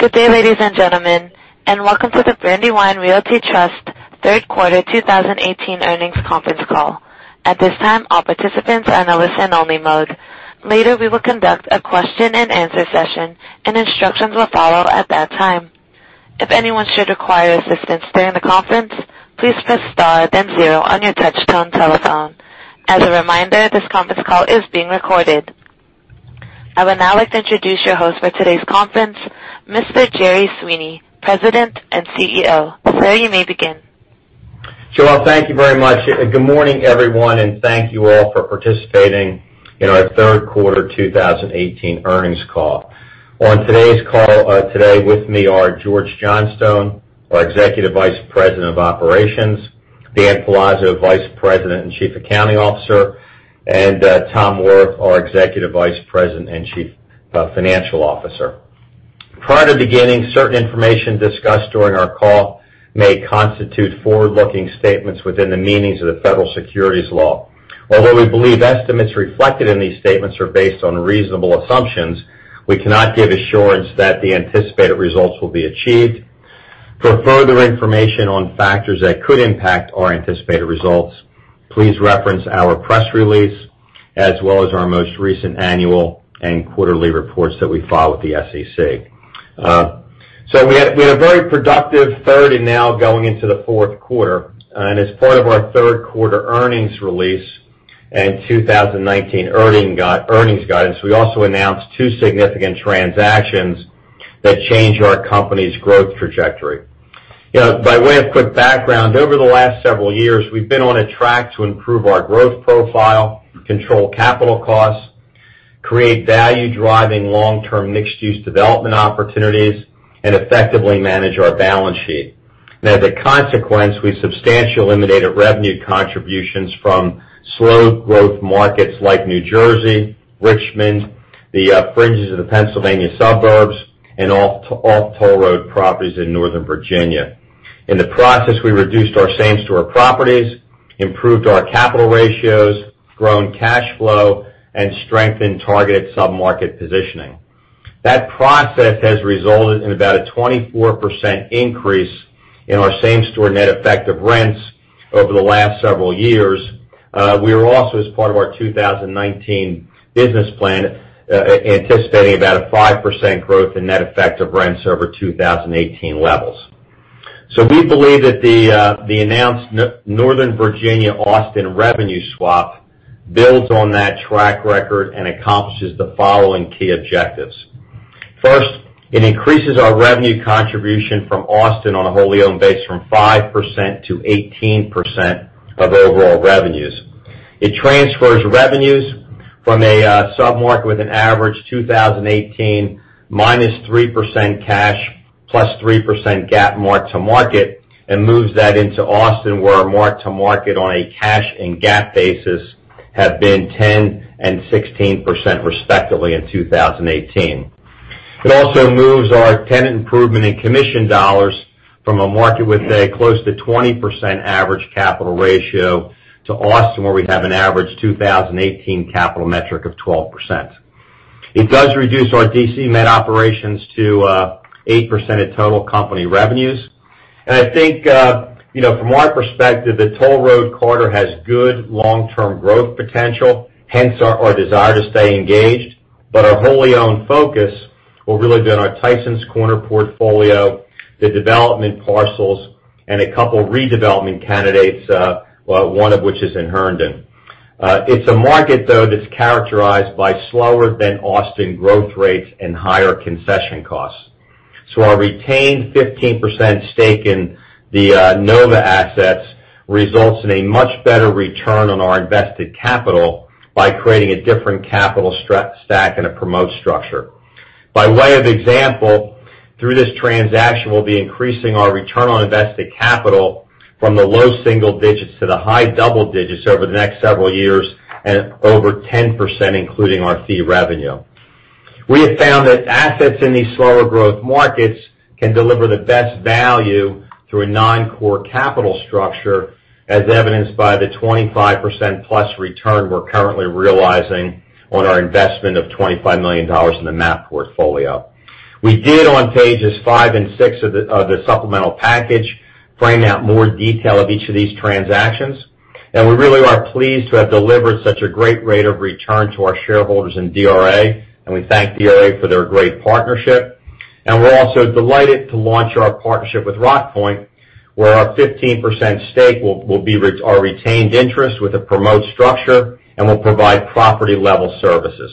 Good day, ladies and gentlemen, and welcome to the Brandywine Realty Trust third quarter 2018 earnings conference call. At this time, all participants are in listen only mode. Later, we will conduct a question and answer session, and instructions will follow at that time. If anyone should require assistance during the conference, please press star then zero on your touchtone telephone. As a reminder, this conference call is being recorded. I would now like to introduce your host for today's conference, Mr. Jerry Sweeney, President and CEO. Sir, you may begin. Joelle, thank you very much. Good morning, everyone, and thank you all for participating in our third quarter 2018 earnings call. On today's call, today with me are George Johnstone, our Executive Vice President of Operations, Dan Palazzo, Vice President and Chief Accounting Officer, and Tom Wirth, our Executive Vice President and Chief Financial Officer. Prior to beginning, certain information discussed during our call may constitute forward-looking statements within the meanings of the federal securities law. Although we believe estimates reflected in these statements are based on reasonable assumptions, we cannot give assurance that the anticipated results will be achieved. For further information on factors that could impact our anticipated results, please reference our press release as well as our most recent annual and quarterly reports that we file with the SEC. We had a very productive third and now going into the fourth quarter. As part of our third quarter earnings release and 2019 earnings guidance, we also announced two significant transactions that change our company's growth trajectory. By way of quick background, over the last several years, we've been on a track to improve our growth profile, control capital costs, create value-driving long-term mixed-use development opportunities, and effectively manage our balance sheet. Now, as a consequence, we substantially eliminated revenue contributions from slow growth markets like New Jersey, Richmond, the fringes of the Pennsylvania suburbs, and all toll road properties in Northern Virginia. In the process, we reduced our same-store properties, improved our capital ratios, grown cash flow, and strengthened targeted sub-market positioning. That process has resulted in about a 24% increase in our same-store net effective rents over the last several years. We are also, as part of our 2019 business plan, anticipating about a 5% growth in net effect of rents over 2018 levels. We believe that the announced Northern Virginia-Austin revenue swap builds on that track record and accomplishes the following key objectives. First, it increases our revenue contribution from Austin on a wholly owned base from 5% to 18% of overall revenues. It transfers revenues from a sub-market with an average 2018 -3% cash +3% GAAP mark-to-market, and moves that into Austin, where our mark-to-market on a cash and GAAP basis have been 10% and 16% respectively in 2018. It also moves our tenant improvement in commission dollars from a market with a close to 20% average capital ratio to Austin, where we have an average 2018 capital metric of 12%. It does reduce our D.C. net operations to 8% of total company revenues. I think from our perspective, the toll road corridor has good long-term growth potential, hence our desire to stay engaged. Our wholly owned focus will really be on our Tysons Corner portfolio, the development parcels, and a couple of redevelopment candidates, one of which is in Herndon. It's a market, though, that's characterized by slower than Austin growth rates and higher concession costs. Our retained 15% stake in the NOVA assets results in a much better return on our invested capital by creating a different capital stack and a promote structure. By way of example, through this transaction, we'll be increasing our return on invested capital from the low single digits to the high double digits over the next several years and over 10%, including our fee revenue. We have found that assets in these slower growth markets can deliver the best value through a non-core capital structure, as evidenced by the 25% plus return we're currently realizing on our investment of $25 million in the MAP portfolio. We did on pages five and six of the supplemental package frame out more detail of each of these transactions, and we really are pleased to have delivered such a great rate of return to our shareholders in DRA, and we thank DRA for their great partnership. We're also delighted to launch our partnership with Rockpoint, where our 15% stake will be our retained interest with a promote structure and will provide property-level services.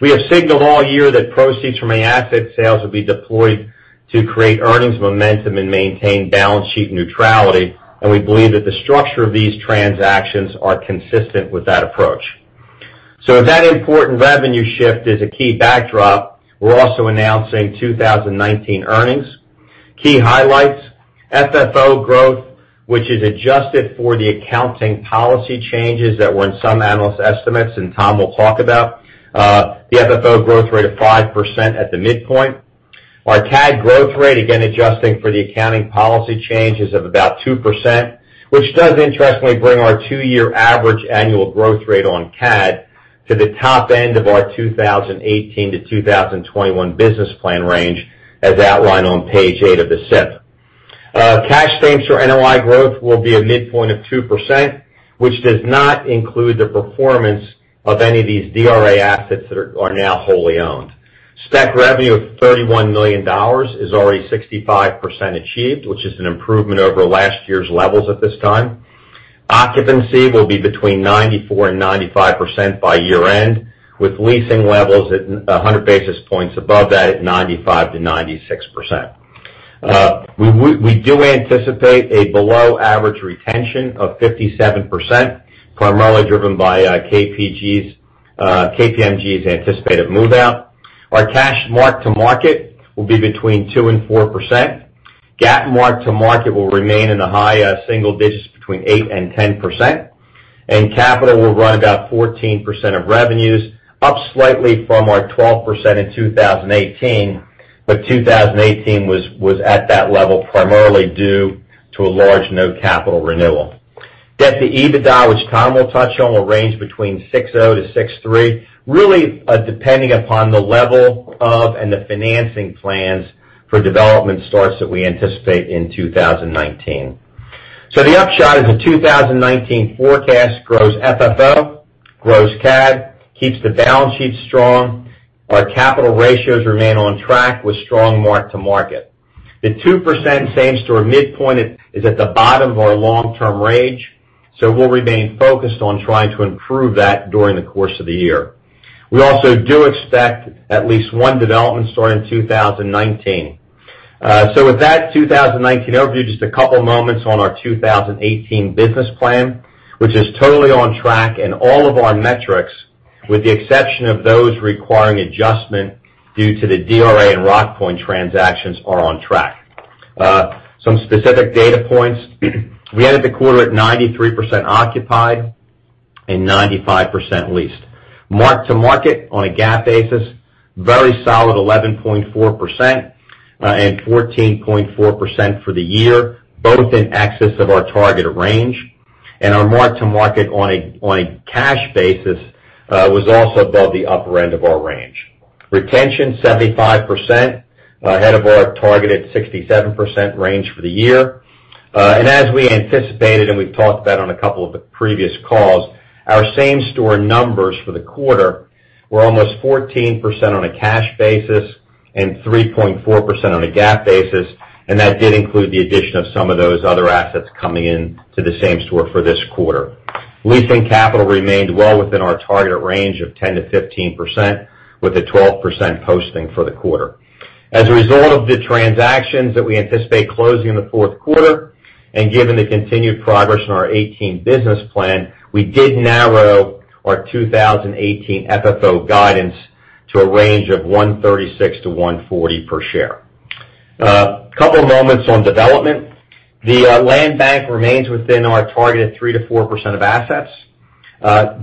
We have signaled all year that proceeds from any asset sales will be deployed to create earnings momentum and maintain balance sheet neutrality, we believe that the structure of these transactions are consistent with that approach. If that important revenue shift is a key backdrop, we're also announcing 2019 earnings. Key highlights, FFO growth, which is adjusted for the accounting policy changes that were in some analyst estimates, and Tom will talk about. The FFO growth rate of 5% at the midpoint. Our CAD growth rate, again, adjusting for the accounting policy changes of about 2%, which does interestingly bring our two-year average annual growth rate on CAD to the top end of our 2018 to 2021 business plan range, as outlined on page eight of the SIP. Cash same store NOI growth will be a midpoint of 2%, which does not include the performance of any of these DRA assets that are now wholly owned. Spec revenue of $31 million is already 65% achieved, which is an improvement over last year's levels at this time. Occupancy will be between 94%-95% by year-end, with leasing levels at 100 basis points above that at 95%-96%. We do anticipate a below-average retention of 57%, primarily driven by KPMG's anticipated move-out. Our cash mark-to-market will be between 2%-4%. GAAP mark-to-market will remain in the high single digits between 8%-10%. Capital will run about 14% of revenues, up slightly from our 12% in 2018. 2018 was at that level primarily due to a large no capital renewal. Debt to EBITDA, which Tom will touch on, will range between 6.0 to 6.3, really depending upon the level of and the financing plans for development starts that we anticipate in 2019. The upshot is the 2019 forecast grows FFO, grows CAD, keeps the balance sheet strong. Our capital ratios remain on track with strong mark-to-market. The 2% same store midpoint is at the bottom of our long-term range, we'll remain focused on trying to improve that during the course of the year. We also do expect at least one development start in 2019. With that 2019 overview, just a couple moments on our 2018 business plan, which is totally on track, and all of our metrics, with the exception of those requiring adjustment due to the DRA and Rockpoint transactions, are on track. Some specific data points. We ended the quarter at 93% occupied and 95% leased. Mark-to-market on a GAAP basis, very solid 11.4% and 14.4% for the year, both in excess of our targeted range. Our mark-to-market on a cash basis was also above the upper end of our range. Retention, 75%, ahead of our targeted 67% range for the year. As we anticipated, and we've talked about on a couple of the previous calls, our same store numbers for the quarter were almost 14% on a cash basis and 3.4% on a GAAP basis, and that did include the addition of some of those other assets coming in to the same store for this quarter. Leasing capital remained well within our target range of 10%-15%, with a 12% posting for the quarter. As a result of the transactions that we anticipate closing in the fourth quarter, given the continued progress in our 2018 business plan, we did narrow our 2018 FFO guidance to a range of $136-$140 per share. A couple moments on development. The land bank remains within our targeted 3%-4% of assets.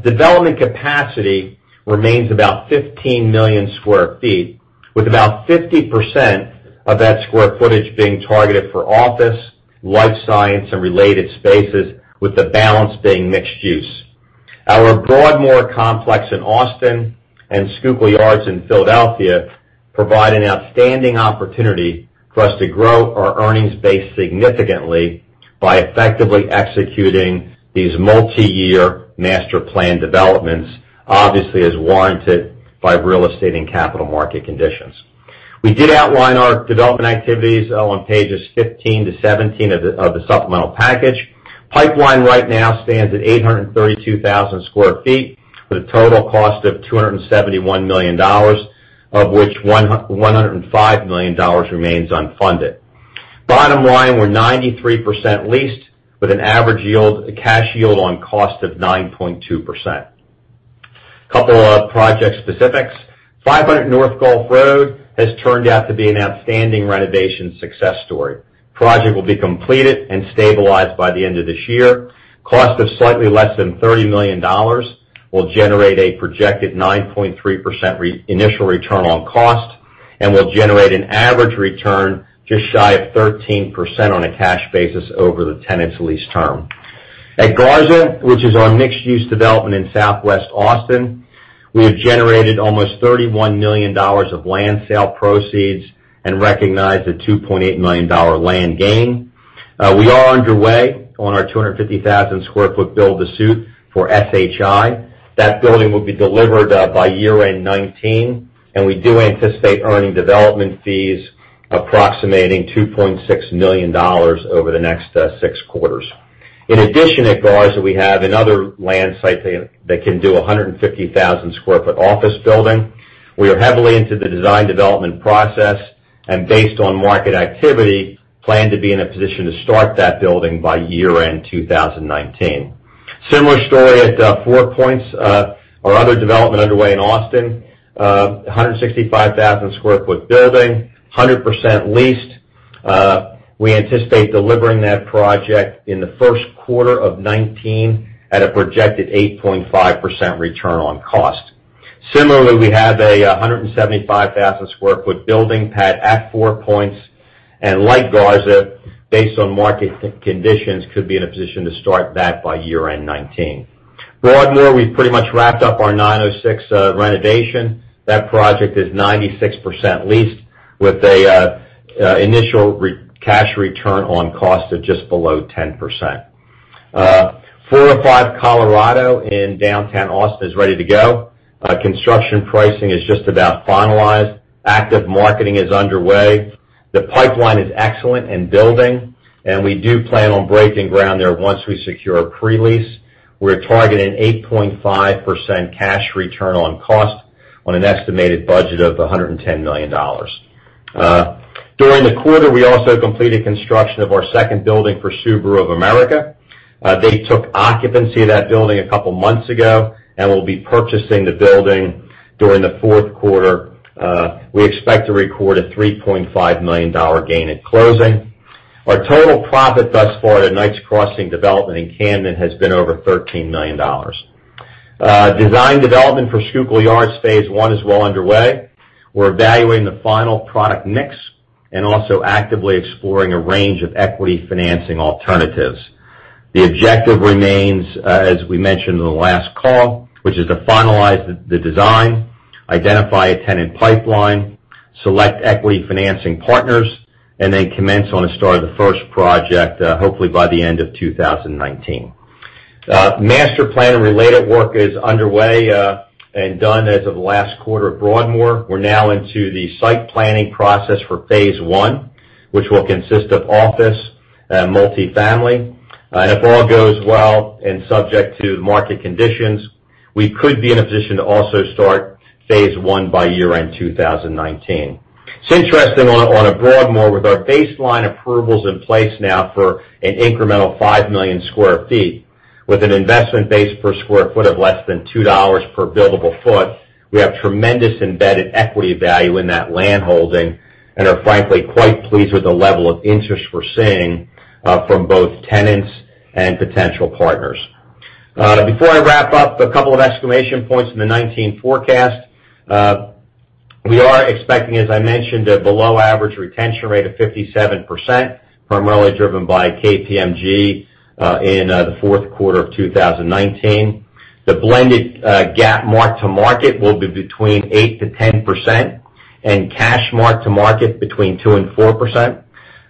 Development capacity remains about 15 million square feet, with about 50% of that square footage being targeted for office, life science, and related spaces, with the balance being mixed use. Our Broadmoor complex in Austin and Schuylkill Yards in Philadelphia provide an outstanding opportunity for us to grow our earnings base significantly by effectively executing these multi-year master plan developments, obviously as warranted by real estate and capital market conditions. We did outline our development activities on pages 15-17 of the supplemental package. Pipeline right now stands at 832,000 square feet with a total cost of $271 million, of which $105 million remains unfunded. Bottom line, we're 93% leased with an average cash yield on cost of 9.2%. A couple of project specifics. 500 North Gulph Road has turned out to be an outstanding renovation success story. Project will be completed and stabilized by the end of this year. Cost of slightly less than $30 million will generate a projected 9.3% initial return on cost, and will generate an average return just shy of 13% on a cash basis over the tenant's lease term. At Garza, which is our mixed-use development in Southwest Austin, we have generated almost $31 million of land sale proceeds and recognized a $2.8 million land gain. We are underway on our 250,000 square foot build to suit for SHI. That building will be delivered by year-end 2019, and we do anticipate earning development fees approximating $2.6 million over the next six quarters. In addition, at Garza, we have another land site that can do 150,000 sq ft office building. We are heavily into the design development process, and based on market activity, plan to be in a position to start that building by year-end 2019. Similar story at Four Points, our other development underway in Austin, 165,000 sq ft building, 100% leased. We anticipate delivering that project in the first quarter of 2019 at a projected 8.5% return on cost. Similarly, we have a 175,000 sq ft building pad at Four Points, and like Garza, based on market conditions, could be in a position to start that by year-end 2019. Broadmoor, we've pretty much wrapped up our 906 renovation. That project is 96% leased with an initial cash return on cost of just below 10%. 405 Colorado in downtown Austin is ready to go. Construction pricing is just about finalized. Active marketing is underway. The pipeline is excellent and building. We do plan on breaking ground there once we secure a pre-lease. We're targeting 8.5% cash return on cost on an estimated budget of $110 million. During the quarter, we also completed construction of our second building for Subaru of America. They took occupancy of that building a couple months ago and will be purchasing the building during the fourth quarter. We expect to record a $3.5 million gain at closing. Our total profit thus far at Knights Crossing development in Camden has been over $13 million. Design development for Schuylkill Yards Phase 1 is well underway. We're evaluating the final product mix and also actively exploring a range of equity financing alternatives. The objective remains, as we mentioned in the last call, which is to finalize the design, identify a tenant pipeline, select equity financing partners, and then commence on the start of the first project, hopefully by the end of 2019. Master plan and related work is underway, and done as of last quarter at Broadmoor. We're now into the site planning process for phase one, which will consist of office, multifamily. If all goes well, and subject to market conditions, we could be in a position to also start phase one by year-end 2019. It's interesting on Broadmoor, with our baseline approvals in place now for an incremental 5 million sq ft, with an investment base per square foot of less than $2 per buildable foot, we have tremendous embedded equity value in that land holding and are frankly quite pleased with the level of interest we're seeing from both tenants and potential partners. Before I wrap up, a couple of exclamation points in the 2019 forecast. We are expecting, as I mentioned, a below-average retention rate of 57%, primarily driven by KPMG, in the fourth quarter of 2019. The blended GAAP mark-to-market will be between 8%-10%, and cash mark-to-market between 2% and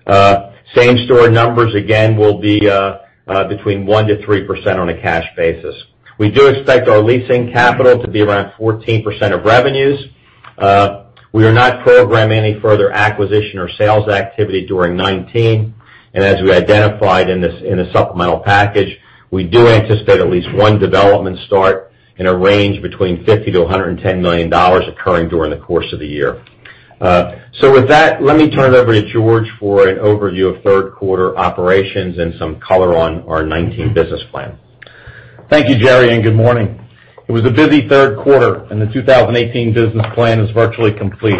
4%. Same-store numbers again will be between 1%-3% on a cash basis. We do expect our leasing capital to be around 14% of revenues. We are not programming any further acquisition or sales activity during 2019. As we identified in the supplemental package, we do anticipate at least one development start in a range between $50 million-$110 million occurring during the course of the year. With that, let me turn it over to George for an overview of third-quarter operations and some color on our 2019 business plan. Thank you, Jerry, and good morning. It was a busy third quarter. The 2018 business plan is virtually complete.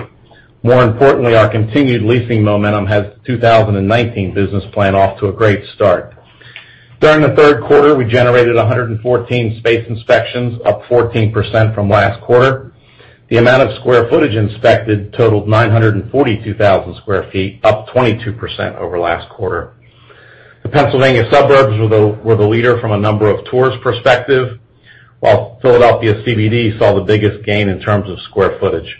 More importantly, our continued leasing momentum has the 2019 business plan off to a great start. During the third quarter, we generated 114 space inspections, up 14% from last quarter. The amount of square footage inspected totaled 942,000 square feet, up 22% over last quarter. The Pennsylvania suburbs were the leader from a number of tours perspective, while Philadelphia CBD saw the biggest gain in terms of square footage.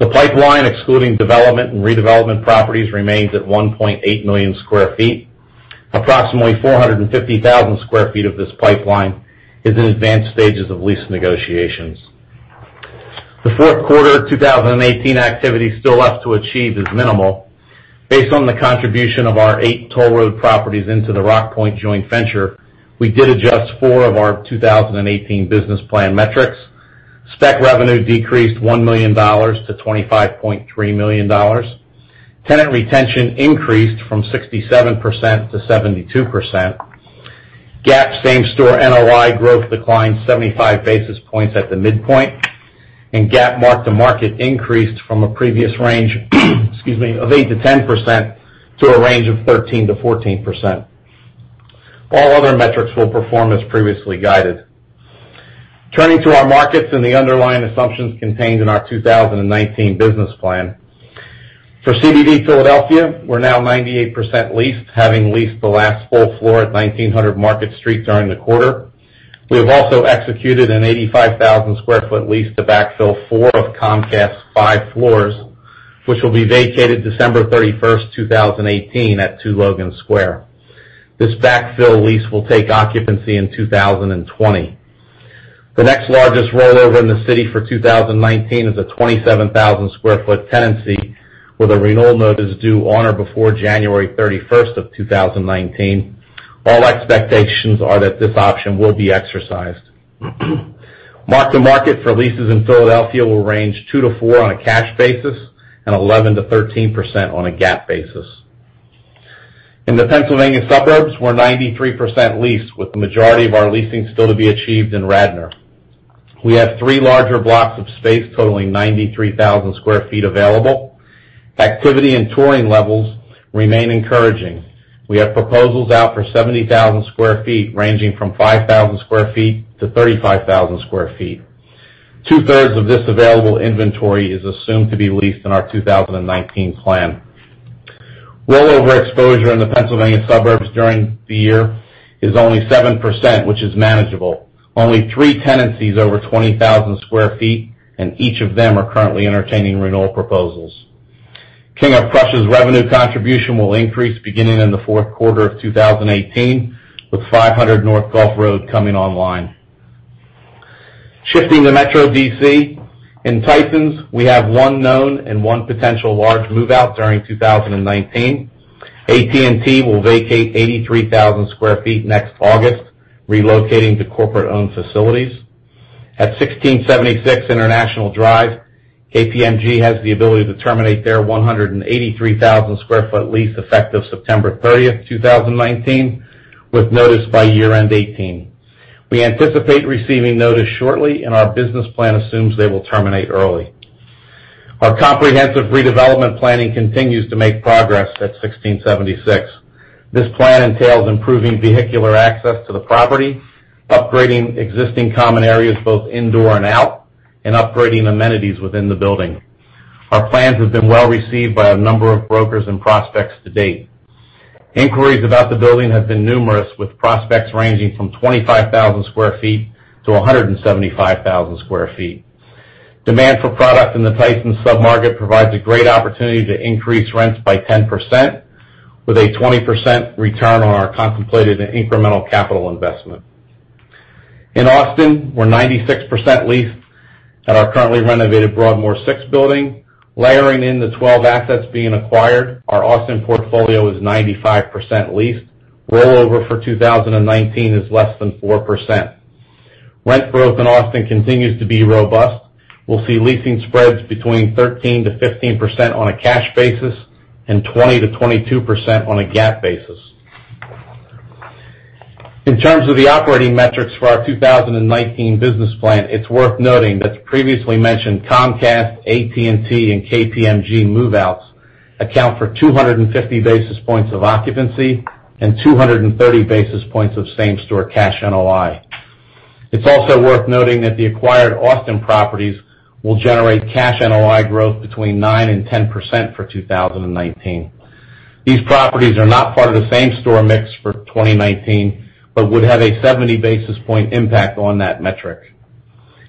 The pipeline, excluding development and redevelopment properties, remains at 1.8 million square feet. Approximately 450,000 square feet of this pipeline is in advanced stages of lease negotiations. The fourth quarter 2018 activity still left to achieve is minimal. Based on the contribution of our eight toll road properties into the Rockpoint joint venture, we did adjust four of our 2018 business plan metrics. Spec revenue decreased $1 million-$25.3 million. Tenant retention increased from 67%-72%. GAAP same store NOI growth declined 75 basis points at the midpoint. GAAP mark-to-market increased from a previous range of 8%-10% to a range of 13%-14%. All other metrics will perform as previously guided. Turning to our markets and the underlying assumptions contained in our 2019 business plan. For CBD Philadelphia, we're now 98% leased, having leased the last full floor at 1900 Market Street during the quarter. We have also executed an 85,000 square foot lease to backfill four of Comcast's five floors, which will be vacated December 31, 2018 at 2 Logan Square. This backfill lease will take occupancy in 2020. The next largest rollover in the city for 2019 is a 27,000 square foot tenancy with a renewal notice due on or before January 31, 2019. All expectations are that this option will be exercised. Mark-to-market for leases in Philadelphia will range 2%-4% on a cash basis and 11%-13% on a GAAP basis. In the Pennsylvania suburbs, we're 93% leased, with the majority of our leasing still to be achieved in Radnor. We have three larger blocks of space totaling 93,000 square feet available. Activity and touring levels remain encouraging. We have proposals out for 70,000 square feet, ranging from 5,000 square feet-35,000 square feet. Two-thirds of this available inventory is assumed to be leased in our 2019 plan. Rollover exposure in the Pennsylvania suburbs during the year is only 7%, which is manageable. Only three tenancies over 20,000 square feet. Each of them are currently entertaining renewal proposals. King of Prussia's revenue contribution will increase beginning in the fourth quarter of 2018, with 500 North Gulph Road coming online. Shifting to Metro D.C. In Tysons, we have one known and one potential large move-out during 2019. AT&T will vacate 83,000 square feet next August, relocating to corporate-owned facilities. At 1676 International Drive, KPMG has the ability to terminate their 183,000 square foot lease effective September 30th, 2019, with notice by year-end 2018. We anticipate receiving notice shortly. Our business plan assumes they will terminate early. Our comprehensive redevelopment planning continues to make progress at 1676. This plan entails improving vehicular access to the property, upgrading existing common areas both indoor and out, and upgrading amenities within the building. Our plans have been well-received by a number of brokers and prospects to date. Inquiries about the building have been numerous, with prospects ranging from 25,000 square feet to 175,000 square feet. Demand for product in the Tysons sub-market provides a great opportunity to increase rents by 10%, with a 20% return on our contemplated incremental capital investment. In Austin, we're 96% leased at our currently renovated Broadmoor Building 6. Layering in the 12 assets being acquired, our Austin portfolio is 95% leased. Rollover for 2019 is less than 4%. Rent growth in Austin continues to be robust. We'll see leasing spreads between 13%-15% on a cash basis, and 20%-22% on a GAAP basis. In terms of the operating metrics for our 2019 business plan, it's worth noting that the previously mentioned Comcast, AT&T, and KPMG move-outs account for 250 basis points of occupancy and 230 basis points of same-store cash NOI. It's also worth noting that the acquired Austin properties will generate cash NOI growth between 9% and 10% for 2019. These properties are not part of the same-store mix for 2019 but would have a 70-basis-point impact on that metric.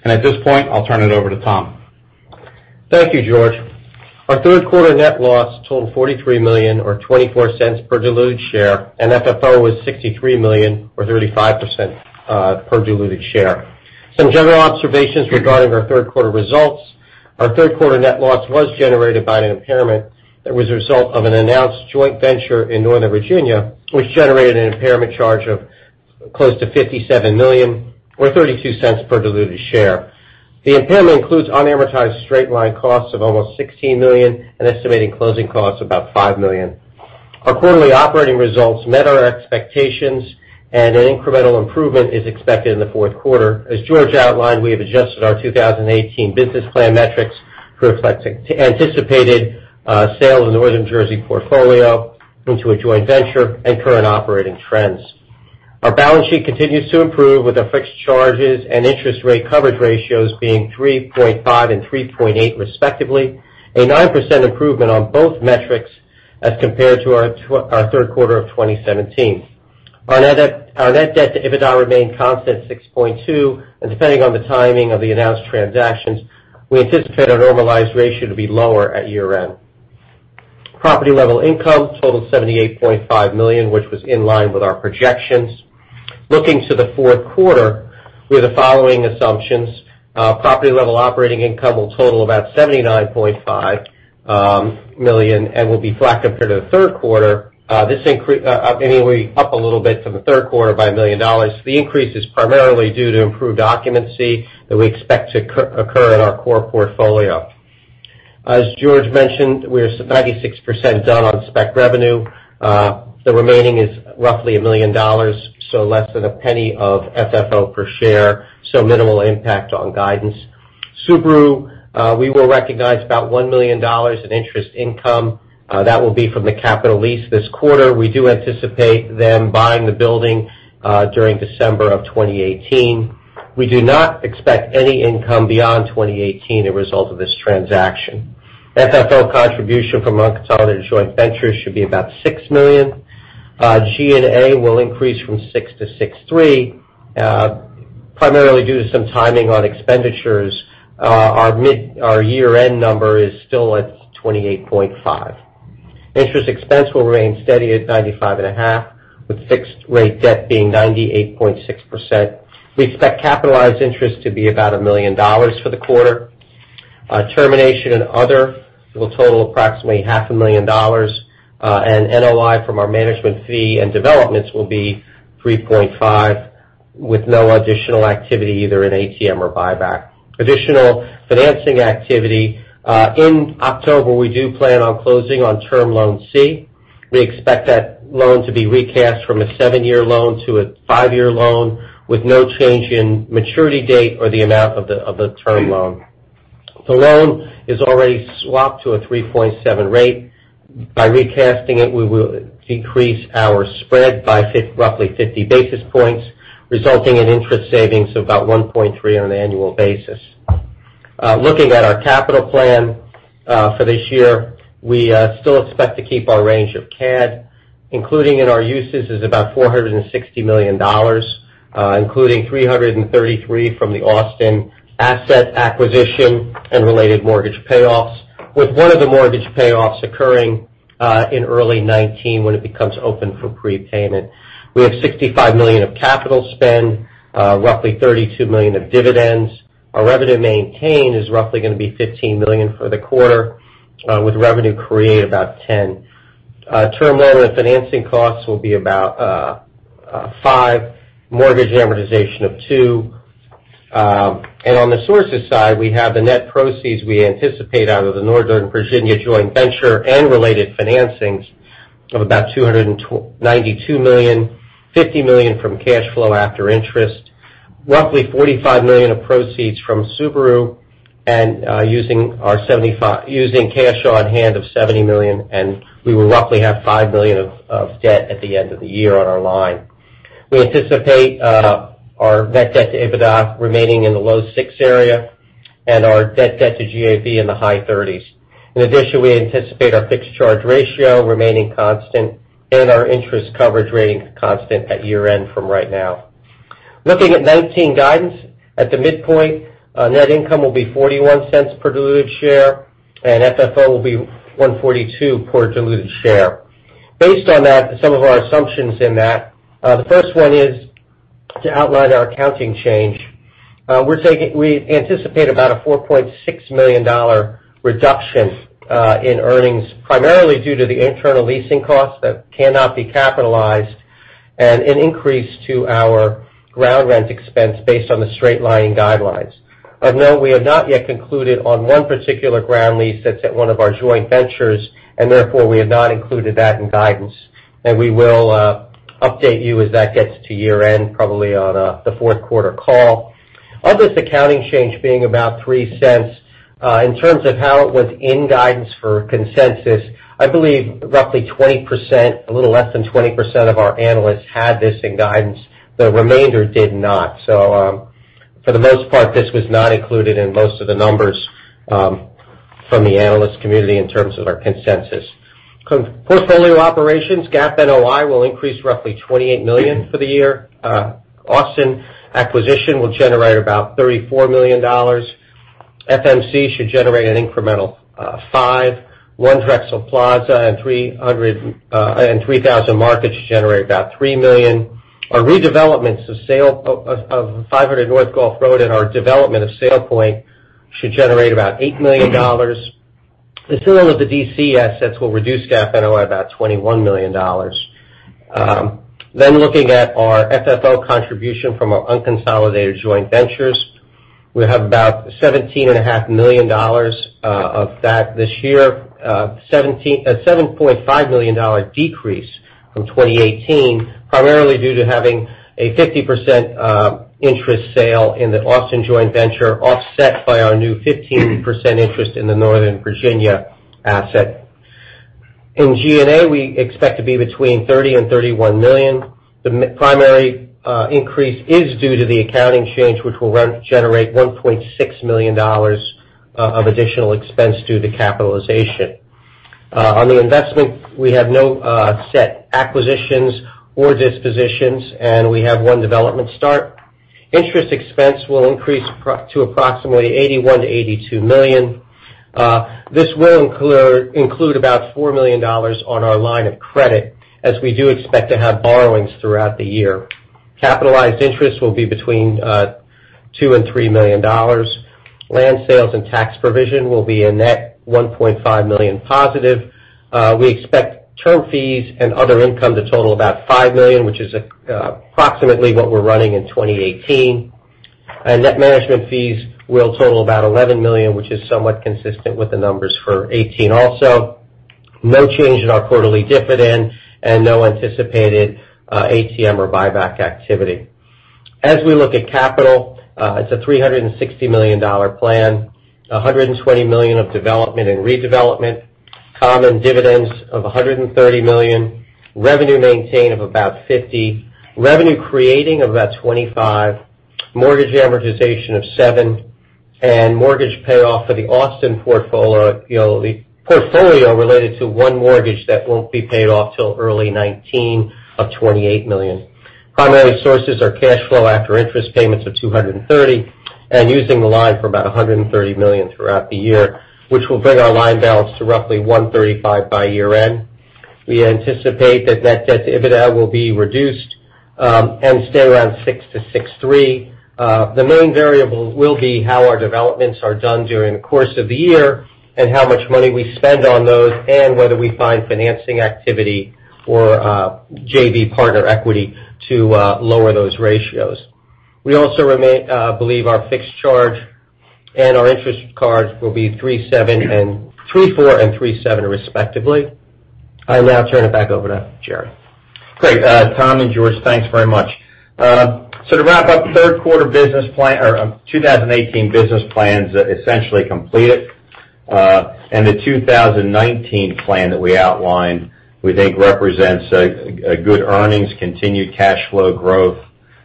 At this point, I'll turn it over to Tom. Thank you, George. Our third quarter net loss totaled $43 million, or $0.24 per diluted share. FFO was $63 million, or $0.35 per diluted share. Some general observations regarding our third quarter results. Our third quarter net loss was generated by an impairment that was a result of an announced joint venture in Northern Virginia, which generated an impairment charge of close to $57 million, or $0.32 per diluted share. The impairment includes unamortized straight-line costs of almost $16 million and estimating closing costs of about $5 million. Our quarterly operating results met our expectations. An incremental improvement is expected in the fourth quarter. As George outlined, we have adjusted our 2018 business plan metrics to reflect anticipated sale of the Northern Jersey portfolio into a joint venture and current operating trends. Our balance sheet continues to improve with our fixed charges and interest rate coverage ratios being 3.5 and 3.8 respectively, a 9% improvement on both metrics as compared to our third quarter of 2017. Our net debt to EBITDA remained constant at 6.2. Depending on the timing of the announced transactions, we anticipate our normalized ratio to be lower at year-end. Property-level income totaled $78.5 million, which was in line with our projections. Looking to the fourth quarter with the following assumptions, property-level operating income will total about $79.5 million and will be flat compared to the third quarter. This is up a little bit from the third quarter by $1 million. The increase is primarily due to improved occupancy that we expect to occur in our core portfolio. As George mentioned, we're 96% done on spec revenue. The remaining is roughly $1 million, so less than $0.01 of FFO per share, so minimal impact on guidance. Subaru, we will recognize about $1 million in interest income. That will be from the capital lease this quarter. We do anticipate them buying the building during December of 2018. We do not expect any income beyond 2018 as a result of this transaction. FFO contribution from Unconsolidated Joint Ventures should be about $6 million. G&A will increase from $6 million to $6.3 million, primarily due to some timing on expenditures. Our year-end number is still at $28.5 million. Interest expense will remain steady at $95.5 million, with fixed-rate debt being 98.6%. We expect capitalized interest to be about $1 million for the quarter. Termination and other will total approximately half a million dollars. NOI from our management fee and developments will be $3.5 million with no additional activity either in ATM or buyback. Additional financing activity. In October, we do plan on closing on Term Loan C. We expect that loan to be recast from a 7-year loan to a 5-year loan with no change in maturity date or the amount of the Term Loan C. The loan is already swapped to a 3.7% rate. By recasting it, we will decrease our spread by roughly 50 basis points, resulting in interest savings of about $1.3 million on an annual basis. Looking at our capital plan for this year, we still expect to keep our range of CAD. Including in our uses is about $460 million, including $333 million from the Austin asset acquisition and related mortgage payoffs, with one of the mortgage payoffs occurring in early 2019 when it becomes open for prepayment. We have $65 million of capital spend, roughly $32 million of dividends. Our revenue maintain is roughly going to be $15 million for the quarter, with revenue create about $10 million. Term loan and financing costs will be about $5 million, mortgage amortization of $2 million. On the sources side, we have the net proceeds we anticipate out of the Northern Virginia joint venture and related financings of about $292 million, $50 million from cash flow after interest, roughly $45 million of proceeds from Subaru, and using cash on hand of $70 million, and we will roughly have $5 million of debt at the end of the year on our line. We anticipate our net debt to EBITDA remaining in the low six area and our net debt to GAV in the high 30s. In addition, we anticipate our fixed charge ratio remaining constant and our interest coverage rating constant at year-end from right now. Looking at 2019 guidance, at the midpoint, net income will be $0.41 per diluted share, and FFO will be $1.42 per diluted share. Based on that, some of our assumptions in that, the first one is to outline our accounting change. We anticipate about a $4.6 million reduction in earnings, primarily due to the internal leasing costs that cannot be capitalized, and an increase to our ground rent expense based on the straight-line guidelines. Of note, we have not yet concluded on one particular ground lease that's at one of our joint ventures, and therefore we have not included that in guidance. We will update you as that gets to year-end, probably on the fourth quarter call. Of this accounting change being about $0.03, in terms of how it was in guidance for consensus, I believe roughly 20%, a little less than 20% of our analysts had this in guidance. The remainder did not. For the most part, this was not included in most of the numbers from the analyst community in terms of our consensus. Portfolio operations, GAAP NOI will increase roughly $28 million for the year. Austin acquisition will generate about $34 million. FMC should generate an incremental $5. One Drexel Plaza and 3000 Market should generate about $3 million. Our redevelopments of 500 North Gulph Road and our development of SailPoint should generate about $8 million. The sale of the D.C. assets will reduce GAAP NOI about $21 million. Looking at our FFO contribution from our unconsolidated joint ventures, we have about $17.5 million of that this year, a $7.5 million decrease from 2018, primarily due to having a 50% interest sale in the Austin joint venture offset by our new 15% interest in the Northern Virginia asset. G&A, we expect to be between $30 million and $31 million. The primary increase is due to the accounting change, which will generate $1.6 million of additional expense due to capitalization. On the investment, we have no set acquisitions or dispositions, and we have one development start. Interest expense will increase to approximately $81 million-$82 million. This will include about $4 million on our line of credit, as we do expect to have borrowings throughout the year. Capitalized interest will be between $2 million and $3 million. Land sales and tax provision will be a net $1.5 million positive. We expect term fees and other income to total about $5 million, which is approximately what we're running in 2018. Net management fees will total about $11 million, which is somewhat consistent with the numbers for 2018 also. No change in our quarterly dividend and no anticipated ATM or buyback activity. We look at capital, it's a $360 million plan, $120 million of development and redevelopment, common dividends of $130 million, revenue maintain of about $50, revenue creating of about $25, mortgage amortization of $7, and mortgage payoff for the Austin portfolio related to one mortgage that will not be paid off until early 2019 of $28 million. Primary sources are cash flow after interest payments of $230, and using the line for about $130 million throughout the year, which will bring our line balance to roughly $135 by year-end. We anticipate that net debt to EBITDA will be reduced and stay around 6-6.3. The main variable will be how our developments are done during the course of the year and how much money we spend on those and whether we find financing activity for JV partner equity to lower those ratios. We also believe our fixed charge and our interest charge will be 3.4 and 3.7 respectively. I now turn it back over to Jerry. Great. Tom and George, thanks very much. To wrap up third quarter business plan or 2018 business plans, essentially completed. The 2019 plan that we outlined, we think represents a good earnings, continued cash flow growth,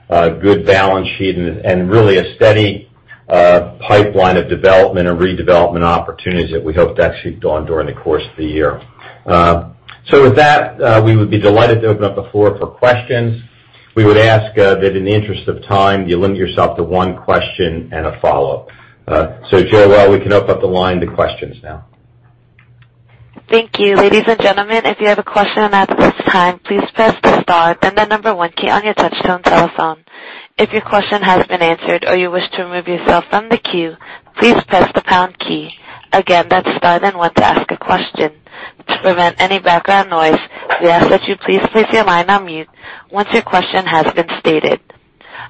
good balance sheet, and really a steady pipeline of development and redevelopment opportunities that we hope to actually go on during the course of the year. With that, we would be delighted to open up the floor for questions. We would ask that in the interest of time, you limit yourself to one question and a follow-up. Joel, we can open up the line to questions now. Thank you. Ladies and gentlemen, if you have a question at this time, please press the star then the number one key on your touchtone telephone. If your question has been answered or you wish to remove yourself from the queue, please press the pound key. Again, that's star then one to ask a question. To prevent any background noise, we ask that you please place your line on mute once your question has been stated.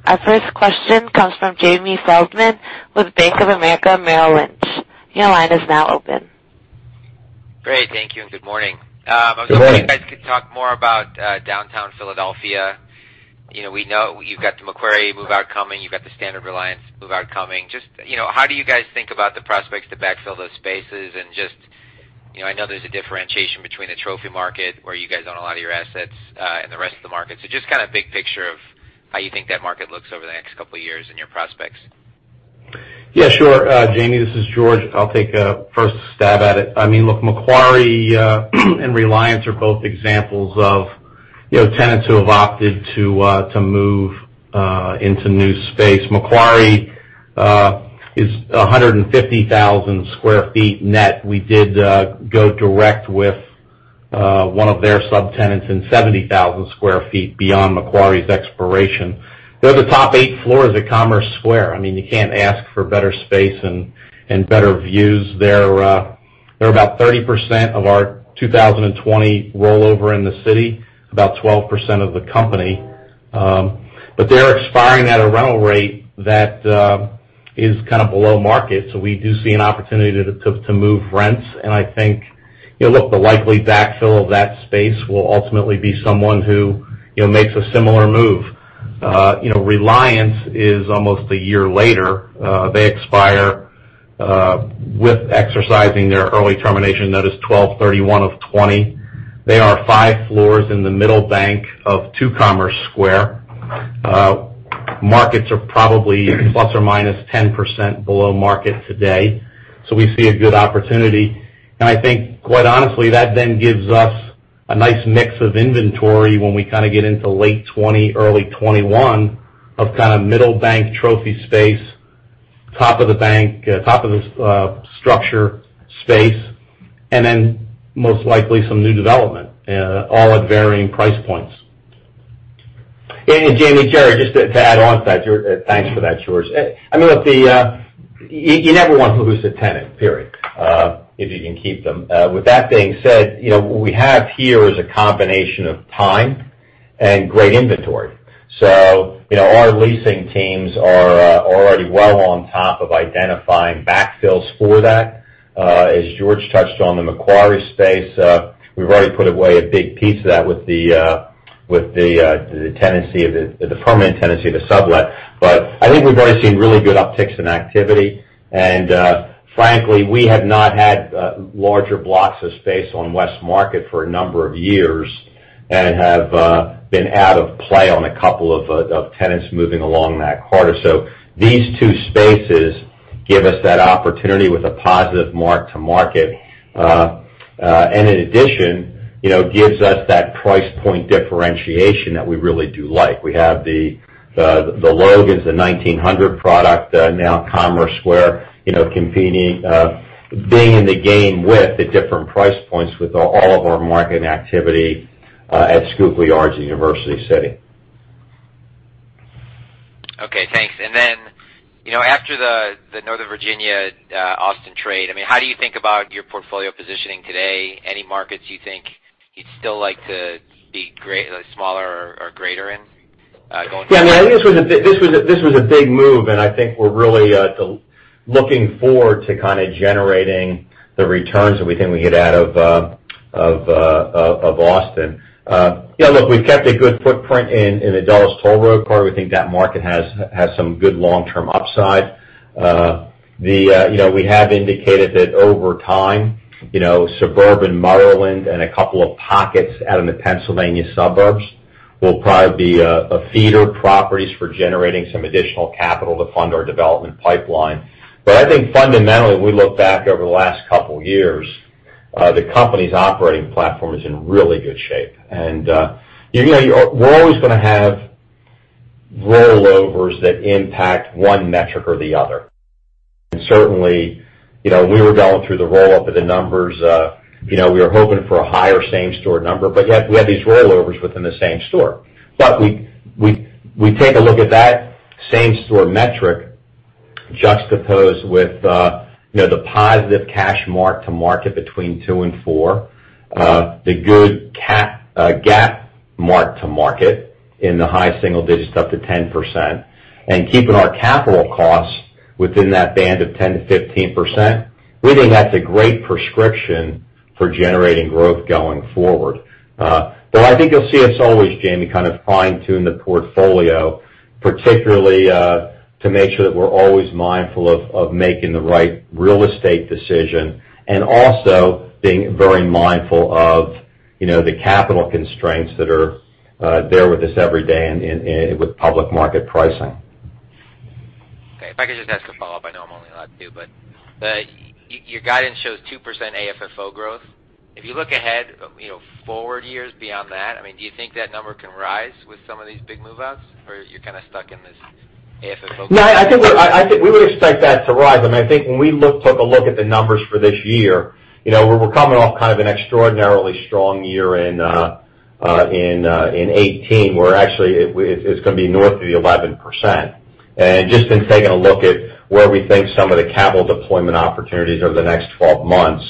Our first question comes from Jamie Feldman with Bank of America Merrill Lynch. Your line is now open. Great. Thank you, good morning. Good morning. I was wondering if you guys could talk more about downtown Philadelphia. We know you've got the Macquarie move-out coming. You've got the Reliance Standard move-out coming. How do you guys think about the prospects to backfill those spaces and, I know there's a differentiation between the trophy market, where you guys own a lot of your assets, and the rest of the market. Just kind of big picture of how you think that market looks over the next couple of years and your prospects. Yeah, sure. Jamie, this is George. I'll take a first stab at it. Look, Macquarie and Reliance are both examples of tenants who have opted to move into new space. Macquarie is 150,000 sq ft net. We did go direct with one of their subtenants in 70,000 sq ft beyond Macquarie's expiration. They're the top eight floors at Commerce Square. You can't ask for better space and better views. They're about 30% of our 2020 rollover in the city, about 12% of the company. They're expiring at a rental rate that is kind of below market. We do see an opportunity to move rents, and I think, look, the likely backfill of that space will ultimately be someone who makes a similar move. Reliance is almost a year later. They expire with exercising their early termination notice 12/31/2020. They are five floors in the middle bank of Two Commerce Square. Markets are probably ±10% below market today. We see a good opportunity, and I think, quite honestly, that then gives us a nice mix of inventory when we kind of get into late 2020, early 2021, of kind of middle bank trophy space, top of the bank, top of the structure space, and then most likely some new development, all at varying price points. Jamie, Jerry, just to add on to that, George. Thanks for that, George. Look, you never want to lose a tenant, period, if you can keep them. With that being said, what we have here is a combination of time and great inventory. Our leasing teams are already well on top of identifying backfills for that. As George touched on the Macquarie space, we've already put away a big piece of that with the tenancy, the permanent tenancy of a sublet. I think we've already seen really good upticks in activity. Frankly, we have not had larger blocks of space on West Market for a number of years and have been out of play on a couple of tenants moving along that corridor. These two spaces give us that opportunity with a positive mark-to-market. In addition, gives us that price point differentiation that we really do like. We have the Logans, the 1900 product, now Commerce Square, competing, being in the game with the different price points with all of our market activity at Schuylkill Yards and University City. Okay, thanks. After the Northern Virginia Austin trade, how do you think about your portfolio positioning today? Any markets you think you'd still like to be smaller or greater in going forward? This was a big move, and I think we're really looking forward to kind of generating the returns that we think we get out of Austin. We've kept a good footprint in the Dulles Toll Road corridor. We think that market has some good long-term upside. We have indicated that over time, suburban Maryland and a couple of pockets out in the Pennsylvania suburbs will probably be feeder properties for generating some additional capital to fund our development pipeline. I think fundamentally, when we look back over the last couple of years, the company's operating platform is in really good shape. We're always going to have rollovers that impact one metric or the other. Certainly, we were going through the roll-up of the numbers. We were hoping for a higher same-store number, but yet we had these rollovers within the same store. We take a look at that same-store metric juxtaposed with the positive cash mark-to-market between 2% and 4%, the good GAAP mark-to-market in the high single digits, up to 10%, and keeping our capital costs within that band of 10%-15%, we think that's a great prescription for generating growth going forward. I think you'll see us always, Jamie, kind of fine-tune the portfolio, particularly to make sure that we're always mindful of making the right real estate decision, being very mindful of the capital constraints that are there with us every day and with public market pricing. If I could just ask a follow-up. I know I'm only allowed two, your guidance shows 2% AFFO growth. If you look ahead, forward years beyond that, do you think that number can rise with some of these big move-outs, or are you kind of stuck in this AFFO- I think we would expect that to rise. I think when we took a look at the numbers for this year, we're coming off kind of an extraordinarily strong year in 2018, where actually, it's going to be north of the 11%. Just in taking a look at where we think some of the capital deployment opportunities over the next 12 months,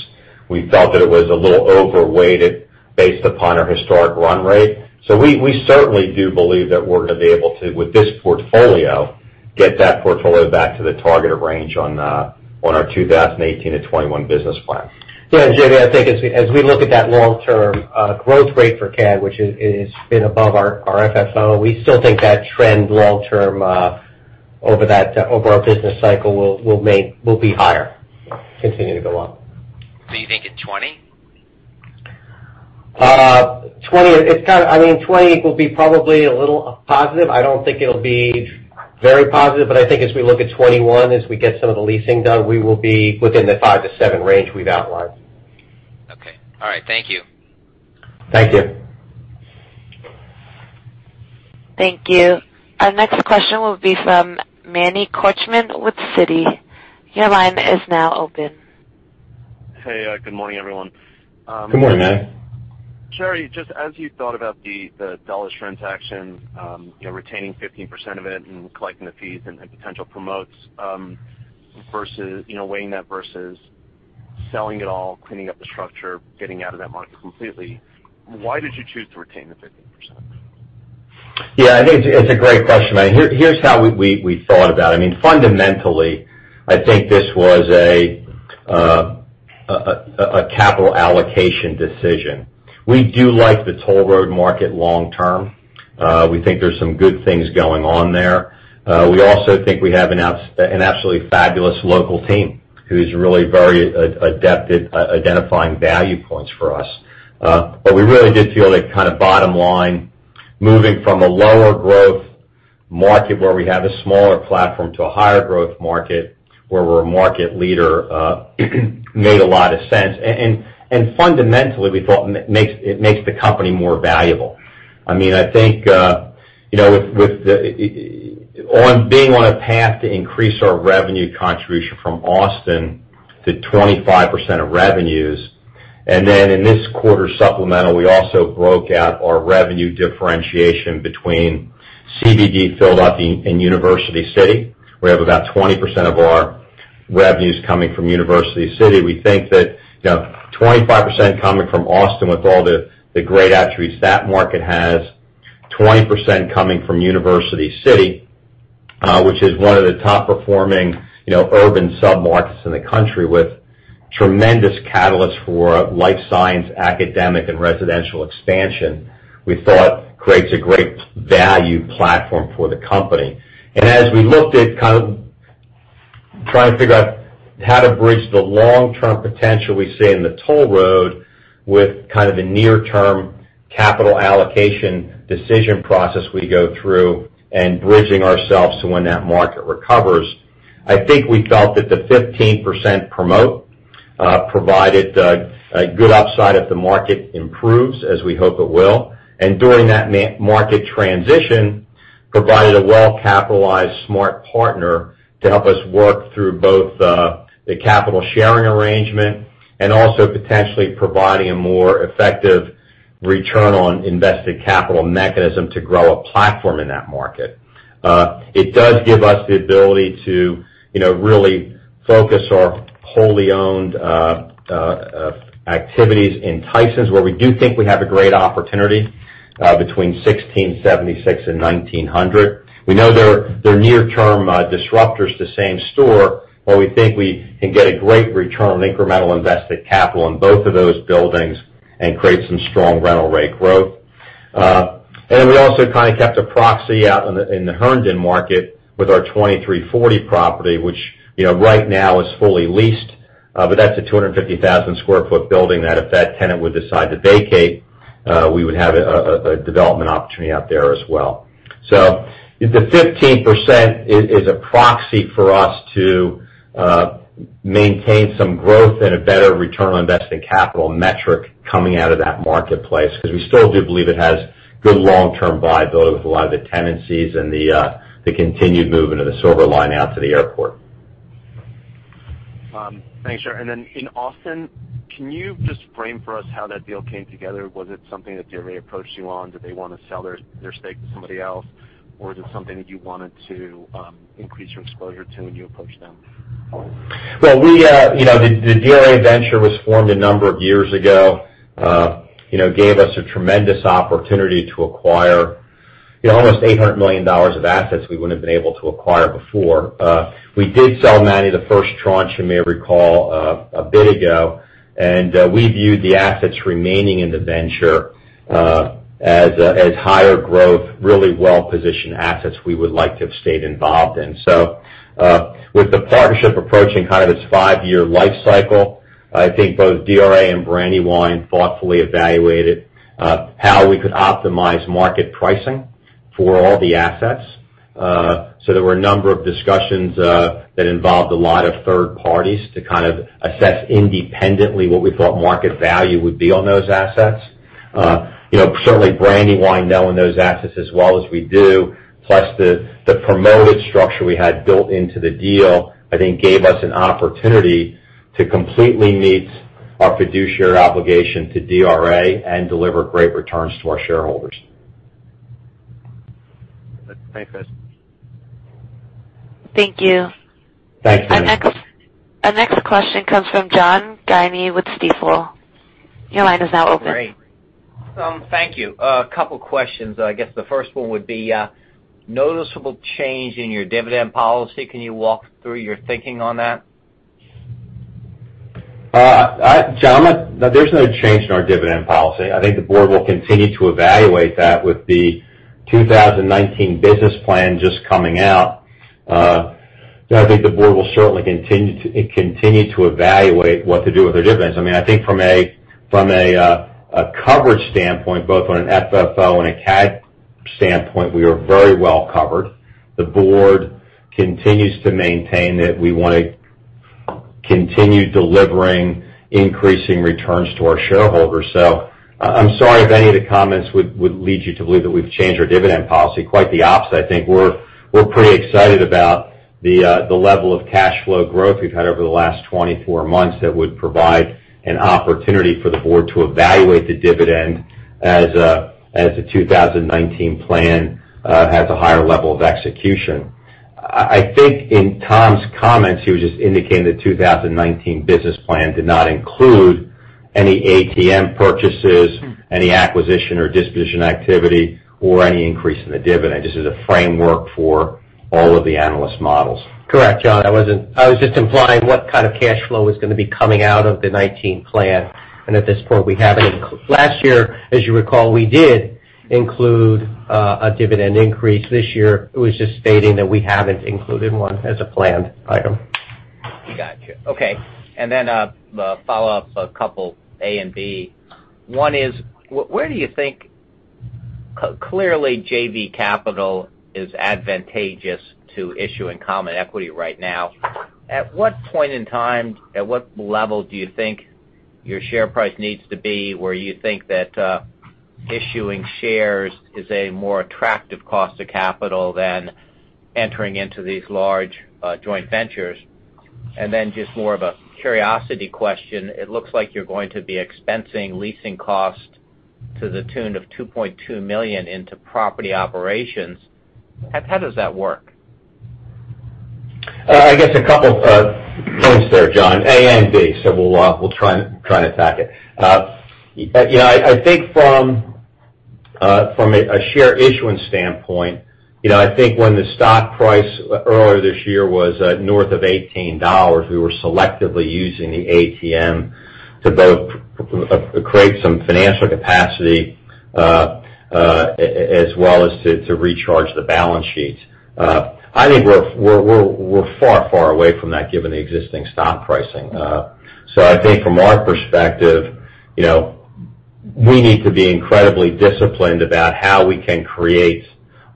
we felt that it was a little overweighted based upon our historic run rate. We certainly do believe that we're going to be able to, with this portfolio, get that portfolio back to the targeted range on our 2018 to 2021 business plan. Yeah, Jamie, I think as we look at that long-term growth rate for CAD, which has been above our AFFO, we still think that trend long term, over our business cycle, will be higher. Continue to go up. You think in 2020? 2020 will be probably a little positive. I don't think it'll be very positive, but I think as we look at 2021, as we get some of the leasing done, we will be within the 5%-7% range we've outlined. Okay. All right. Thank you. Thank you. Thank you. Our next question will be from Manny Korchman with Citi. Your line is now open. Hey, good morning, everyone. Good morning, Manny. Jerry, just as you thought about the Dulles transaction, retaining 15% of it and collecting the fees and the potential promotes, weighing that versus selling it all, cleaning up the structure, getting out of that market completely, why did you choose to retain the 15%? Yeah, I think it's a great question, Manny. Here's how we thought about it. Fundamentally, I think this was a capital allocation decision. We do like the toll road market long term. We think there's some good things going on there. We also think we have an absolutely fabulous local team, who's really very adept at identifying value points for us. We really did feel like, kind of bottom line, moving from a lower growth market where we have a smaller platform to a higher growth market where we're a market leader, made a lot of sense. Fundamentally, we thought it makes the company more valuable. I think, on being on a path to increase our revenue contribution from Austin to 25% of revenues, in this quarter's supplemental, we also broke out our revenue differentiation between CBD Philadelphia and University City. We have about 20% of our revenues coming from University City. We think that 25% coming from Austin, with all the great attributes that market has, 20% coming from University City, which is one of the top-performing urban submarkets in the country with tremendous catalysts for life science, academic, and residential expansion, we thought creates a great value platform for the company. As we looked at kind of trying to figure out how to bridge the long-term potential we see in the toll road with kind of a near-term capital allocation decision process we go through, and bridging ourselves to when that market recovers, I think we felt that the 15% promote provided a good upside if the market improves, as we hope it will. During that market transition, provided a well-capitalized smart partner to help us work through both the capital sharing arrangement and also potentially providing a more effective return on invested capital mechanism to grow a platform in that market. It does give us the ability to really focus our wholly owned activities in Tysons, where we do think we have a great opportunity between 1676 and 1900. We know they're near-term disruptors to same store, but we think we can get a great return on incremental invested capital in both of those buildings and create some strong rental rate growth. Then we also kind of kept a proxy out in the Herndon market with our 2340 property, which right now is fully leased. That's a 250,000 sq ft building that if that tenant would decide to vacate, we would have a development opportunity out there as well. The 15% is a proxy for us to maintain some growth and a better return on invested capital metric coming out of that marketplace, because we still do believe it has good long-term viability with a lot of the tenancies and the continued movement of the Silver Line out to the airport. Thanks, Jerry. In Austin, can you just frame for us how that deal came together? Was it something that DRA approached you on? Did they want to sell their stake to somebody else, or is it something that you wanted to increase your exposure to, and you approached them? Well, the DRA venture was formed a number of years ago. It gave us a tremendous opportunity to acquire almost $800 million of assets we wouldn't have been able to acquire before. We did sell Manny the first tranche, you may recall, a bit ago. We viewed the assets remaining in the venture as higher growth, really well-positioned assets we would like to have stayed involved in. With the partnership approaching kind of its five-year life cycle, I think both DRA and Brandywine thoughtfully evaluated how we could optimize market pricing for all the assets. There were a number of discussions that involved a lot of third parties to kind of assess independently what we thought market value would be on those assets. Certainly Brandywine knowing those assets as well as we do, plus the promoted structure we had built into the deal, I think gave us an opportunity to completely meet our fiduciary obligation to DRA and deliver great returns to our shareholders. Thanks, Chris. Thank you. Thanks. Our next question comes from John Guinee with Stifel. Your line is now open. Great. Thank you. A couple questions. I guess the first one would be noticeable change in your dividend policy. Can you walk through your thinking on that? John, there's no change in our dividend policy. I think the board will continue to evaluate that with the 2019 business plan just coming out. I think the board will certainly continue to evaluate what to do with their dividends. I think from a coverage standpoint, both on an FFO and a CAD standpoint, we are very well covered. The board continues to maintain that we want to continue delivering increasing returns to our shareholders. I'm sorry if any of the comments would lead you to believe that we've changed our dividend policy. Quite the opposite. I think we're pretty excited about the level of cash flow growth we've had over the last 24 months that would provide an opportunity for the board to evaluate the dividend as the 2019 plan has a higher level of execution. I think in Tom's comments, he was just indicating the 2019 business plan did not include any ATM purchases, any acquisition or disposition activity, or any increase in the dividend. This is a framework for all of the analyst models. Correct, John. I was just implying what kind of cash flow is going to be coming out of the 2019 plan. At this point, we haven't included. Last year, as you recall, we did include a dividend increase. This year, it was just stating that we haven't included one as a planned item. Got you. Okay. A follow-up, a couple A and B. One is, where do you think Clearly, JV Capital is advantageous to issuing common equity right now. At what point in time, at what level do you think your share price needs to be where you think that issuing shares is a more attractive cost of capital than entering into these large joint ventures? Just more of a curiosity question, it looks like you're going to be expensing leasing costs to the tune of $2.2 million into property operations. How does that work? I guess a couple things there, John. A and B, we'll try and attack it. I think from a share issuance standpoint, I think when the stock price earlier this year was north of $18, we were selectively using the ATM to both create some financial capacity, as well as to recharge the balance sheet. I think we're far away from that given the existing stock pricing. I think from our perspective, we need to be incredibly disciplined about how we can create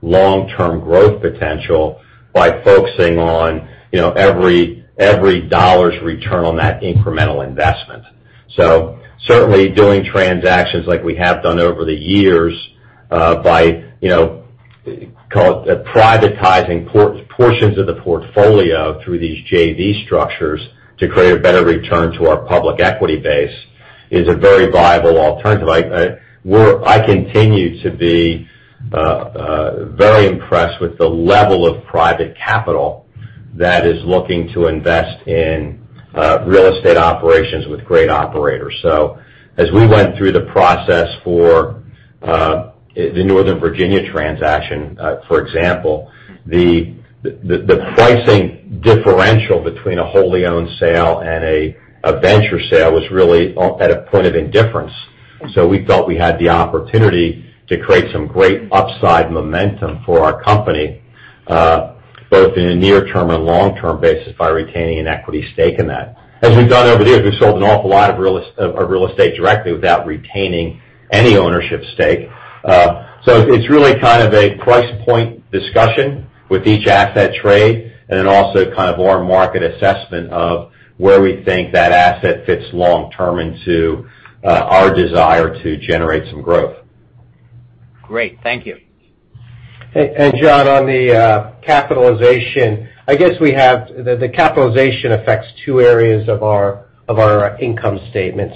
long-term growth potential by focusing on every dollar's return on that incremental investment. Certainly doing transactions like we have done over the years by privatizing portions of the portfolio through these JV structures to create a better return to our public equity base is a very viable alternative. I continue to be very impressed with the level of private capital that is looking to invest in real estate operations with great operators. As we went through the process for the Northern Virginia transaction, for example, the pricing differential between a wholly owned sale and a venture sale was really at a point of indifference. We felt we had the opportunity to create some great upside momentum for our company, both in a near-term and long-term basis by retaining an equity stake in that. As we've done over the years, we've sold an awful lot of real estate directly without retaining any ownership stake. It's really kind of a price point discussion with each asset trade, and then also kind of our market assessment of where we think that asset fits long-term into our desire to generate some growth. Great. Thank you. John, on the capitalization. I guess the capitalization affects two areas of our income statement.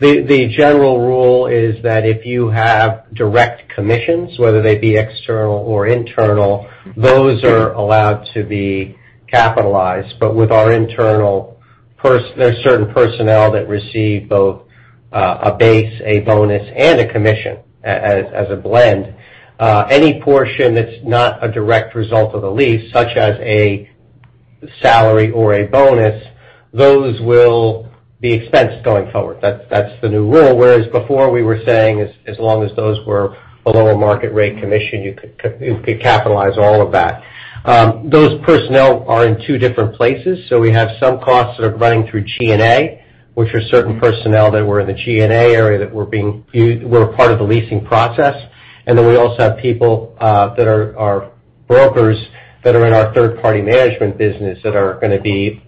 The general rule is that if you have direct commissions, whether they be external or internal, those are allowed to be capitalized. With our internal, there are certain personnel that receive both a base, a bonus, and a commission as a blend. Any portion that's not a direct result of the lease, such as a salary or a bonus, those will be expensed going forward. That's the new rule. Whereas before we were saying, as long as those were below a market rate commission, you could capitalize all of that. Those personnel are in two different places. We have some costs that are running through G&A, which are certain personnel that were in the G&A area that were a part of the leasing process. We also have people that are brokers that are in our third-party management business that are going to be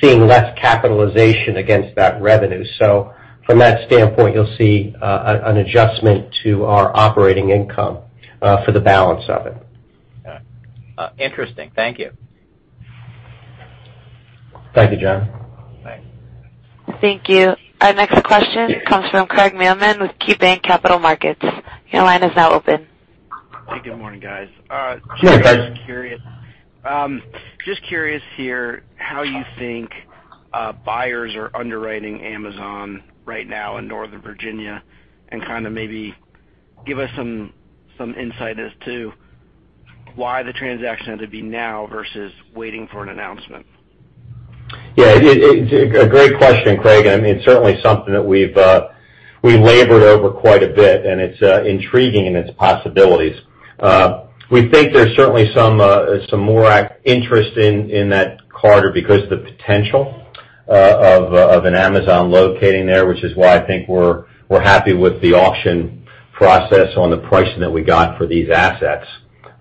seeing less capitalization against that revenue. From that standpoint, you'll see an adjustment to our operating income for the balance of it. All right. Interesting. Thank you. Thank you, John. Thanks. Thank you. Our next question comes from Craig Mailman with KeyBanc Capital Markets. Your line is now open. Hey, good morning, guys. Good morning. Just curious here how you think buyers are underwriting Amazon right now in Northern Virginia, kind of maybe give us some insight as to why the transaction had to be now versus waiting for an announcement? Yeah. A great question, Craig. It's certainly something that we've labored over quite a bit. It's intriguing in its possibilities. We think there's certainly some more interest in that corridor because of the potential of an Amazon locating there, which is why I think we're happy with the auction process on the pricing that we got for these assets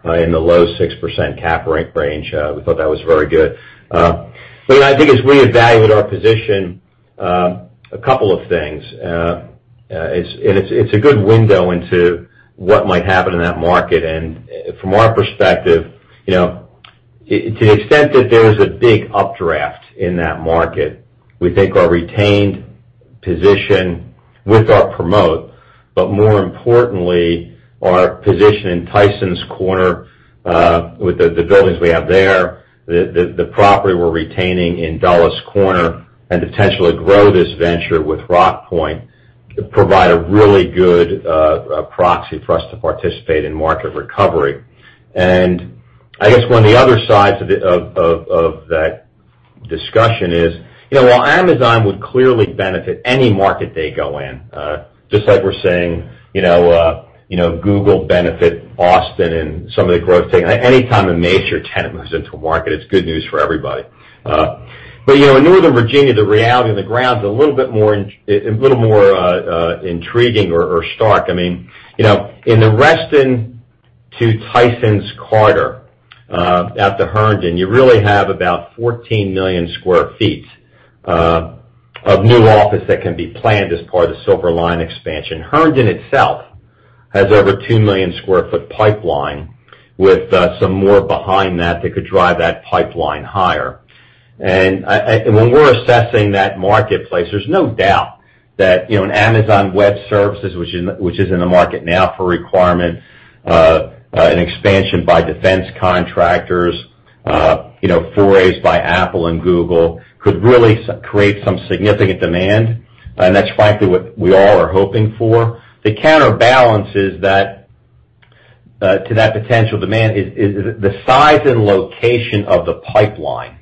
in the low 6% cap rate range. We thought that was very good. I think as we evaluated our position, a couple of things. It's a good window into what might happen in that market. From our perspective, to the extent that there's a big updraft in that market, we think our retained position with our promote, but more importantly, our position in Tysons Corner, with the buildings we have there, the property we're retaining in Dulles Corner, and potentially grow this venture with Rockpoint, provide a really good proxy for us to participate in market recovery. I guess one of the other sides of that discussion is, while Amazon would clearly benefit any market they go in, just like we're saying Google benefit Austin and some of the growth thing, anytime a major tenant moves into a market, it's good news for everybody. In Northern Virginia, the reality on the ground's a little bit more intriguing or stark. In the Reston to Tysons corridor, out to Herndon, you really have about 14 million sq ft of new office that can be planned as part of the Silver Line expansion. Herndon itself has over 2 million sq ft pipeline, with some more behind that could drive that pipeline higher. When we're assessing that marketplace, there's no doubt that an Amazon Web Services, which is in the market now for requirement, an expansion by defense contractors, forays by Apple and Google, could really create some significant demand. That's frankly what we all are hoping for. The counterbalance to that potential demand is the size and location of the pipeline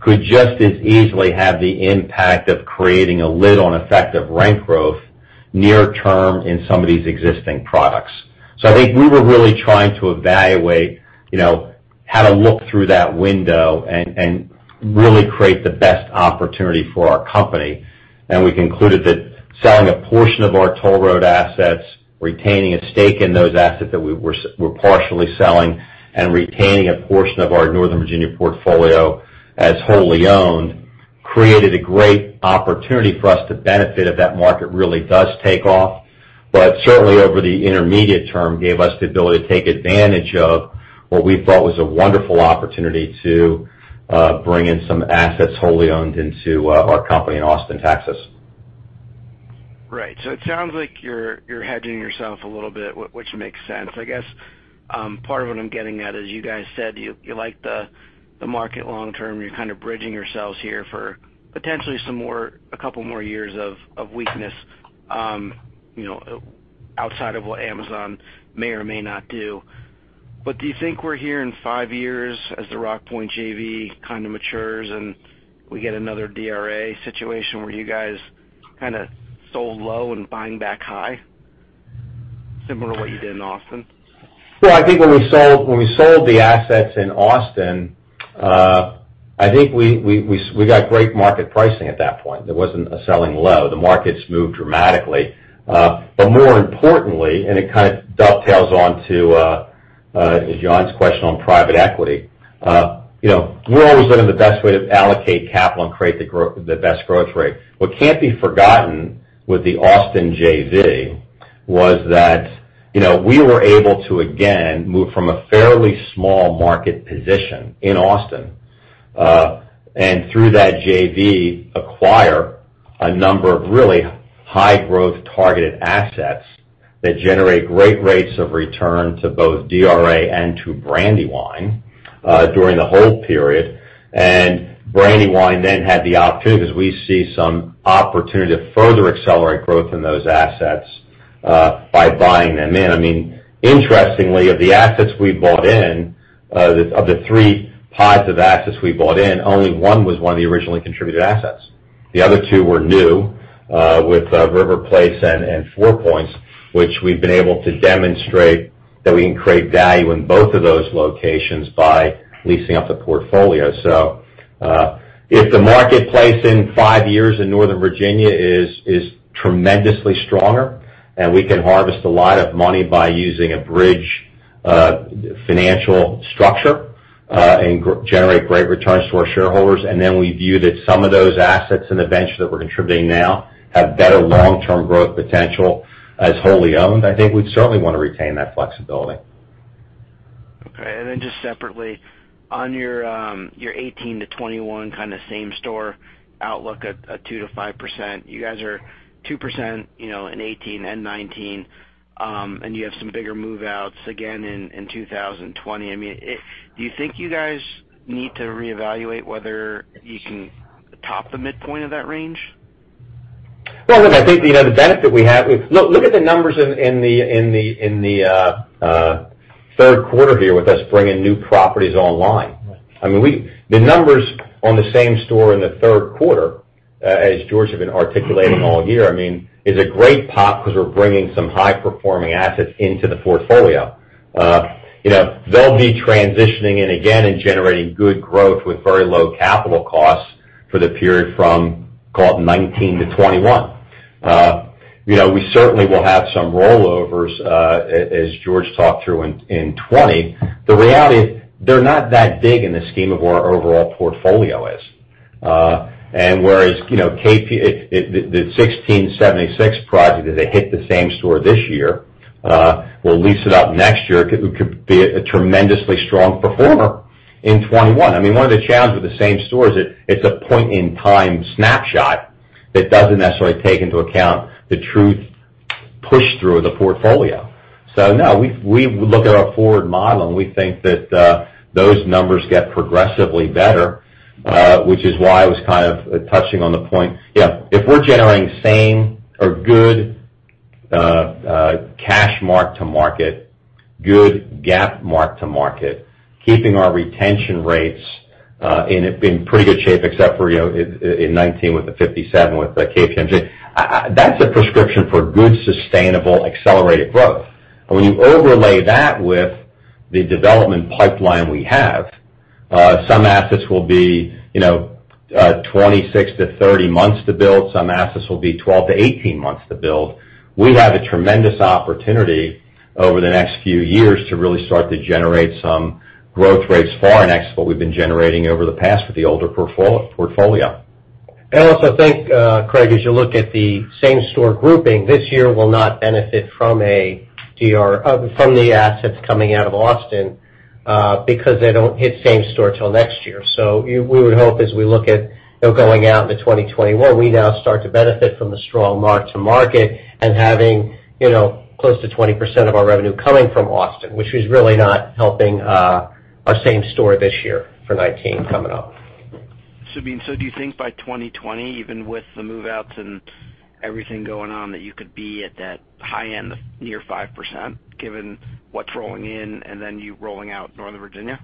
could just as easily have the impact of creating a lid on effective rent growth near-term in some of these existing products. I think we were really trying to evaluate how to look through that window and really create the best opportunity for our company. We concluded that selling a portion of our toll road assets, retaining a stake in those assets that we're partially selling, and retaining a portion of our Northern Virginia portfolio as wholly owned, created a great opportunity for us to benefit if that market really does take off. Certainly over the intermediate term, gave us the ability to take advantage of what we thought was a wonderful opportunity to bring in some assets wholly owned into our company in Austin, Texas. Right. It sounds like you're hedging yourself a little bit, which makes sense. I guess part of what I'm getting at is you guys said you like the market long term. You're kind of bridging yourselves here for potentially a couple more years of weakness outside of what Amazon may or may not do. Do you think we're here in 5 years as the Rockpoint JV kind of matures, and we get another DRA situation where you guys kind of sold low and buying back high, similar to what you did in Austin? Well, I think when we sold the assets in Austin, I think we got great market pricing at that point. There wasn't a selling low. The markets moved dramatically. More importantly, and it kind of dovetails on to John's question on private equity. We're always looking the best way to allocate capital and create the best growth rate. What can't be forgotten with the Austin JV was that we were able to, again, move from a fairly small market position in Austin. Through that JV, acquire A number of really high-growth targeted assets that generate great rates of return to both DRA and to Brandywine during the hold period. Brandywine then had the opportunity, because we see some opportunity to further accelerate growth in those assets by buying them in. Interestingly, of the assets we bought in, of the three pods of assets we bought in, only one was one of the originally contributed assets. The other two were new, with River Place and Four Points, which we've been able to demonstrate that we can create value in both of those locations by leasing up the portfolio. If the marketplace in five years in Northern Virginia is tremendously stronger, we can harvest a lot of money by using a bridge financial structure and generate great returns for our shareholders, then we view that some of those assets in the venture that we're contributing now have better long-term growth potential as wholly owned, I think we'd certainly want to retain that flexibility. Okay. Then just separately, on your 2018 to 2021 kind of same-store outlook at 2%-5%, you guys are 2% in 2018 and 2019, and you have some bigger move-outs again in 2020. Do you think you guys need to reevaluate whether you can top the midpoint of that range? Look at the numbers in the third quarter here with us bringing new properties online. Right. The numbers on the same store in the third quarter, as George had been articulating all year, is a great pop because we're bringing some high-performing assets into the portfolio. They'll be transitioning in again and generating good growth with very low capital costs for the period from, call it 2019 to 2021. We certainly will have some rollovers, as George talked through, in 2020. The reality is they're not that big in the scheme of where our overall portfolio is. Whereas, the 1676 project, as they hit the same store this year, we'll lease it up next year. It could be a tremendously strong performer in 2021. One of the challenges with the same store is that it's a point-in-time snapshot that doesn't necessarily take into account the true push-through of the portfolio. No, we look at our forward model, and we think that those numbers get progressively better, which is why I was kind of touching on the point. If we're generating same or good cash mark-to-market, good GAAP mark-to-market, keeping our retention rates, and have been in pretty good shape except for in 2019 with the 57, with the KPMG, that's a prescription for good, sustainable, accelerated growth. When you overlay that with the development pipeline we have, some assets will be 26 to 30 months to build. Some assets will be 12 to 18 months to build. We have a tremendous opportunity over the next few years to really start to generate some growth rates far in excess of what we've been generating over the past with the older portfolio. I also think, Craig, as you look at the same-store grouping, this year will not benefit from the assets coming out of Austin because they don't hit same store till next year. We would hope, as we look at going out into 2021, we now start to benefit from the strong mark-to-market and having close to 20% of our revenue coming from Austin, which is really not helping our same store this year for 2019 coming up. Sabine, do you think by 2020, even with the move-outs and everything going on, that you could be at that high end of near 5%, given what's rolling in and then you rolling out Northern Virginia?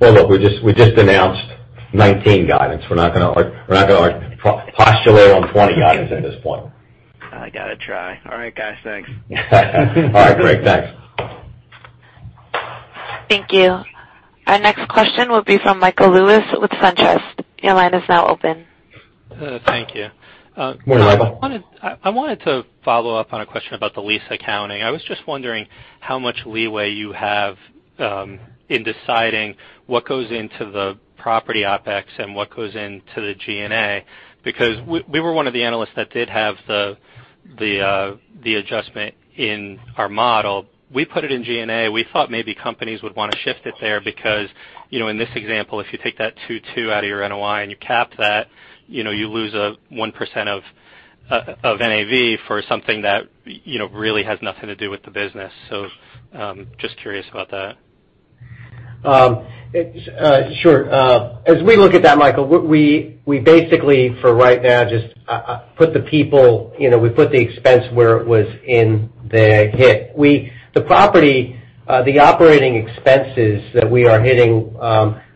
Well, look, we just announced 2019 guidance. We're not going to postulate on 2020 guidance at this point. I got to try. All right, guys. Thanks. All right, Craig. Thanks. Thank you. Our next question will be from Michael Lewis with SunTrust. Your line is now open. Thank you. Morning, Michael. I wanted to follow up on a question about the lease accounting. I was just wondering how much leeway you have in deciding what goes into the property OpEx and what goes into the G&A, because we were one of the analysts that did have the adjustment in our model. We put it in G&A. We thought maybe companies would want to shift it there because, in this example, if you take that 2.2 out of your NOI and you cap that, you lose 1% of NAV for something that really has nothing to do with the business. Just curious about that. Sure. As we look at that, Michael, we basically, for right now, we put the expense where it was in the hit. The property, the operating expenses that we are hitting,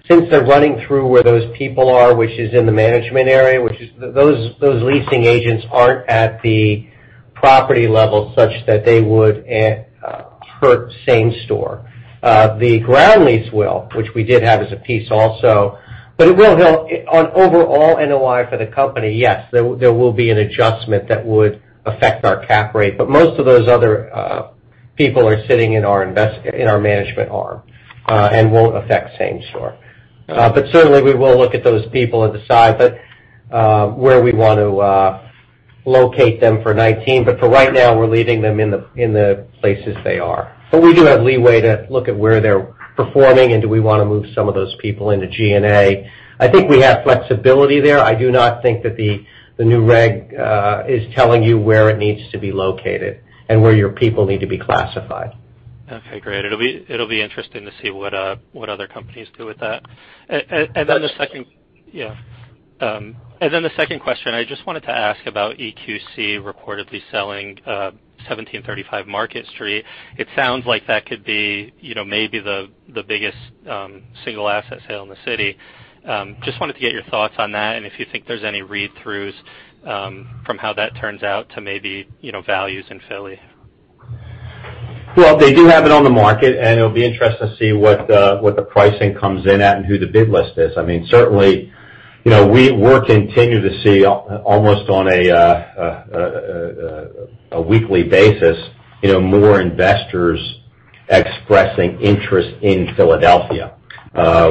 since they're running through where those people are, which is in the management area, those leasing agents aren't at the property level such that they would hurt same store. The ground lease will, which we did have as a piece also. It will help on overall NOI for the company, yes. There will be an adjustment that would affect our cap rate. Most of those other people are sitting in our management arm and won't affect same store. Certainly, we will look at those people and decide where we want to Locate them for 2019. For right now, we're leaving them in the places they are. We do have leeway to look at where they're performing and do we want to move some of those people into G&A. I think we have flexibility there. I do not think that the new reg is telling you where it needs to be located and where your people need to be classified. Okay, great. It'll be interesting to see what other companies do with that. The second question, I just wanted to ask about EQC reportedly selling 1735 Market Street. It sounds like that could be maybe the biggest single asset sale in the city. Just wanted to get your thoughts on that and if you think there's any read-throughs from how that turns out to maybe values in Philly. They do have it on the market, and it'll be interesting to see what the pricing comes in at and who the bid list is. Certainly, we're continuing to see almost on a weekly basis, more investors expressing interest in Philadelphia,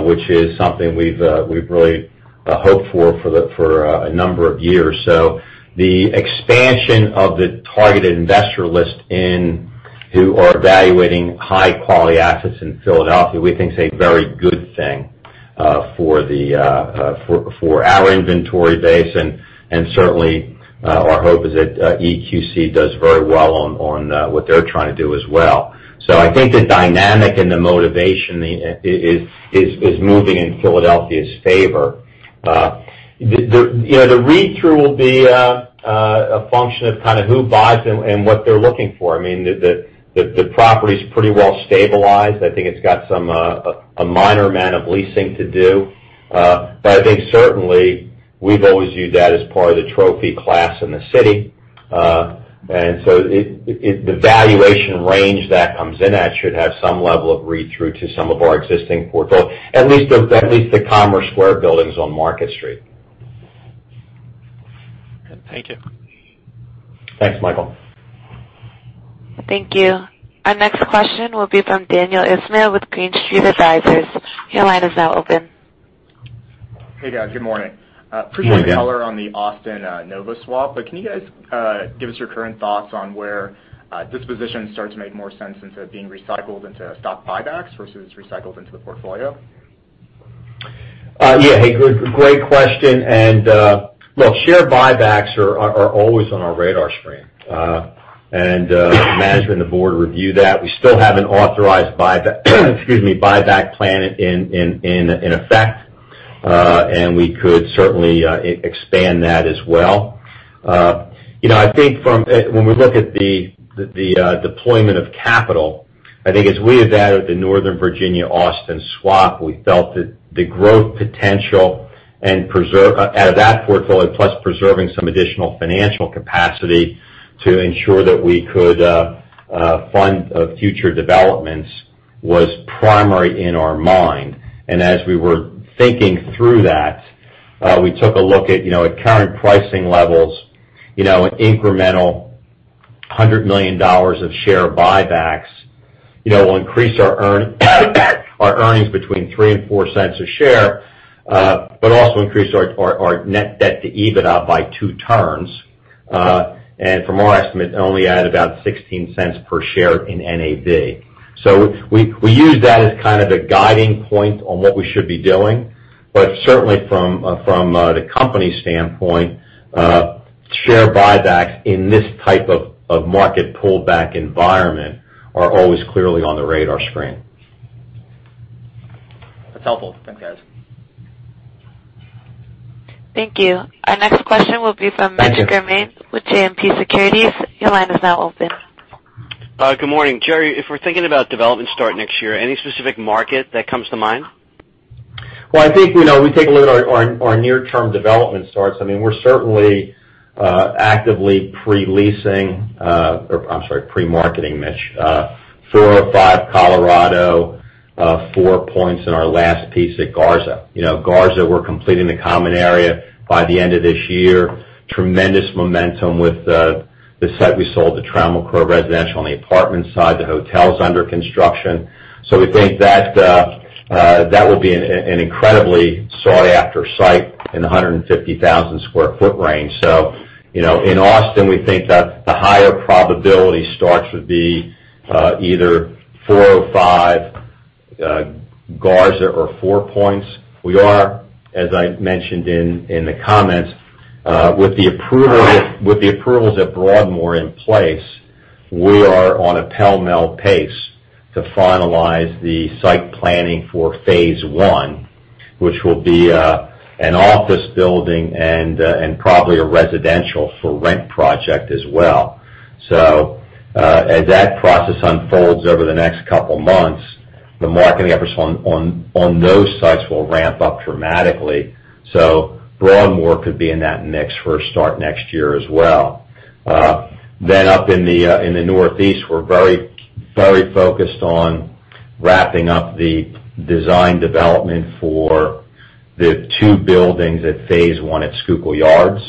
which is something we've really hoped for a number of years. The expansion of the targeted investor list in who are evaluating high-quality assets in Philadelphia, we think is a very good thing for our inventory base. Certainly, our hope is that EQC does very well on what they're trying to do as well. I think the dynamic and the motivation is moving in Philadelphia's favor. The read-through will be a function of who buys and what they're looking for. The property's pretty well stabilized. I think it's got a minor amount of leasing to do. I think certainly, we've always viewed that as part of the trophy class in the city. The valuation range that comes in at should have some level of read-through to some of our existing portfolio, at least the Commerce Square buildings on Market Street. Thank you. Thanks, Michael. Thank you. Our next question will be from Daniel Ismail with Green Street Advisors. Your line is now open. Hey, guys. Good morning. Good morning, Dan. Appreciate the color on the Austin Nova swap. But can you guys give us your current thoughts on where dispositions start to make more sense instead of being recycled into stock buybacks versus recycled into the portfolio? Yeah. Great question. Well, share buybacks are always on our radar screen. Management and the board review that. We still have an authorized excuse me, buyback plan in effect. We could certainly expand that as well. I think when we look at the deployment of capital, I think as we have added the Northern Virginia Austin swap, we felt that the growth potential out of that portfolio, plus preserving some additional financial capacity to ensure that we could fund future developments, was primary in our mind. As we were thinking through that, we took a look at current pricing levels, an incremental $100 million of share buybacks, will increase our earnings between three and four cents a share, but also increase our net debt to EBITDA by two turns. From our estimate, only add about 16 cents per share in NAV. We use that as kind of the guiding point on what we should be doing. Certainly, from the company standpoint, share buybacks in this type of market pullback environment are always clearly on the radar screen. That's helpful. Thanks, guys. Thank you. Our next question will be from Mitchell Germain with JMP Securities. Your line is now open. Good morning. Jerry, if we're thinking about development start next year, any specific market that comes to mind? Well, I think we take a look at our near-term development starts. We're certainly actively pre-marketing, Mitch, 405 Colorado, Four Points, and our last piece at Garza. Garza, we're completing the common area by the end of this year. Tremendous momentum with the site we sold to Trammell Crow Residential on the apartment side. The hotel's under construction. We think that will be an incredibly sought-after site in 150,000 sq ft range. In Austin, we think that the higher probability starts would be either 405, Garza, or Four Points. We are, as I mentioned in the comments, with the approvals at Broadmoor in place, we are on a pell-mell pace to finalize the site planning for phase one, which will be an office building and probably a residential-for-rent project as well. As that process unfolds over the next couple of months, the marketing efforts on those sites will ramp up dramatically. Broadmoor could be in that mix for a start next year as well. Up in the Northeast, we're very focused on wrapping up the design development for the two buildings at phase one at Schuylkill Yards.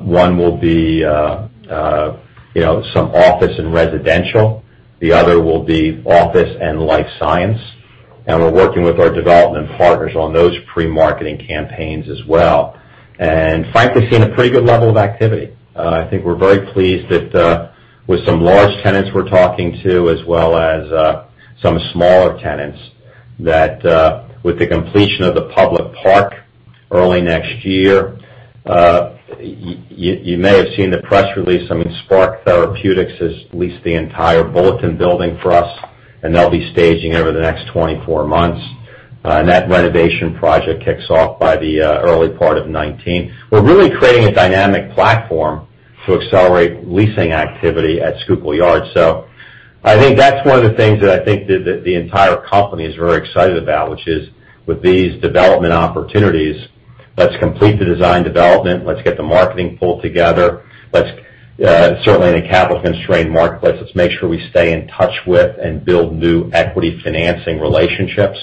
One will be some office and residential. The other will be office and life science. We're working with our development partners on those pre-marketing campaigns as well, and frankly, seeing a pretty good level of activity. I think we're very pleased that with some large tenants we're talking to, as well as some smaller tenants, that with the completion of the public park early next year. You may have seen the press release. I think that's one of the things that I think the entire company is very excited about, which is with these development opportunities, let's complete the design development, let's get the marketing pull together. Certainly in a capital-constrained marketplace, let's make sure we stay in touch with and build new equity financing relationships.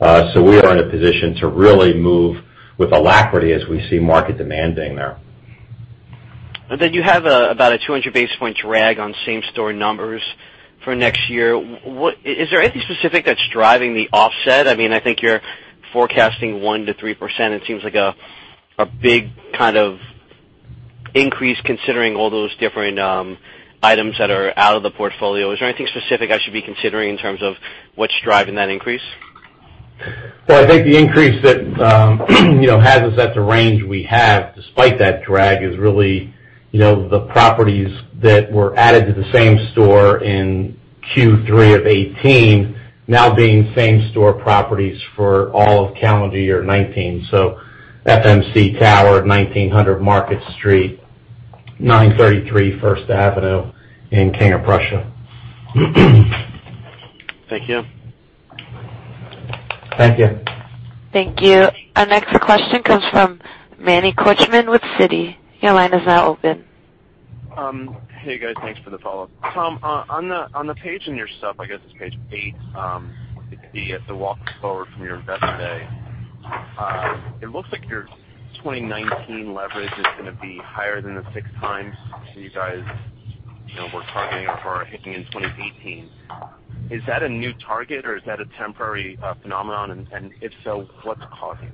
We are in a position to really move with alacrity as we see market demanding there. Then you have about a 200-basis-point drag on same-store numbers for next year. Is there anything specific that's driving the offset? I think you're forecasting 1%-3%. It seems like a big kind of increase, considering all those different items that are out of the portfolio. Is there anything specific I should be considering in terms of what's driving that increase? Well, I think the increase that has us at the range we have, despite that drag, is really the properties that were added to the same store in Q3 of 2018 now being same-store properties for all of calendar year 2019. FMC Tower at 1900 Market Street, 933 First Avenue in King of Prussia. Thank you. Thank you. Thank you. Our next question comes from Manny Korchman with Citi. Your line is now open. Hey, guys. Thanks for the follow-up. Tom, on the page in your stuff, I guess it's page eight, the walk forward from your Investor Day. It looks like your 2019 leverage is going to be higher than the six times that you guys were targeting or hitting in 2018. Is that a new target, or is that a temporary phenomenon? if so, what's causing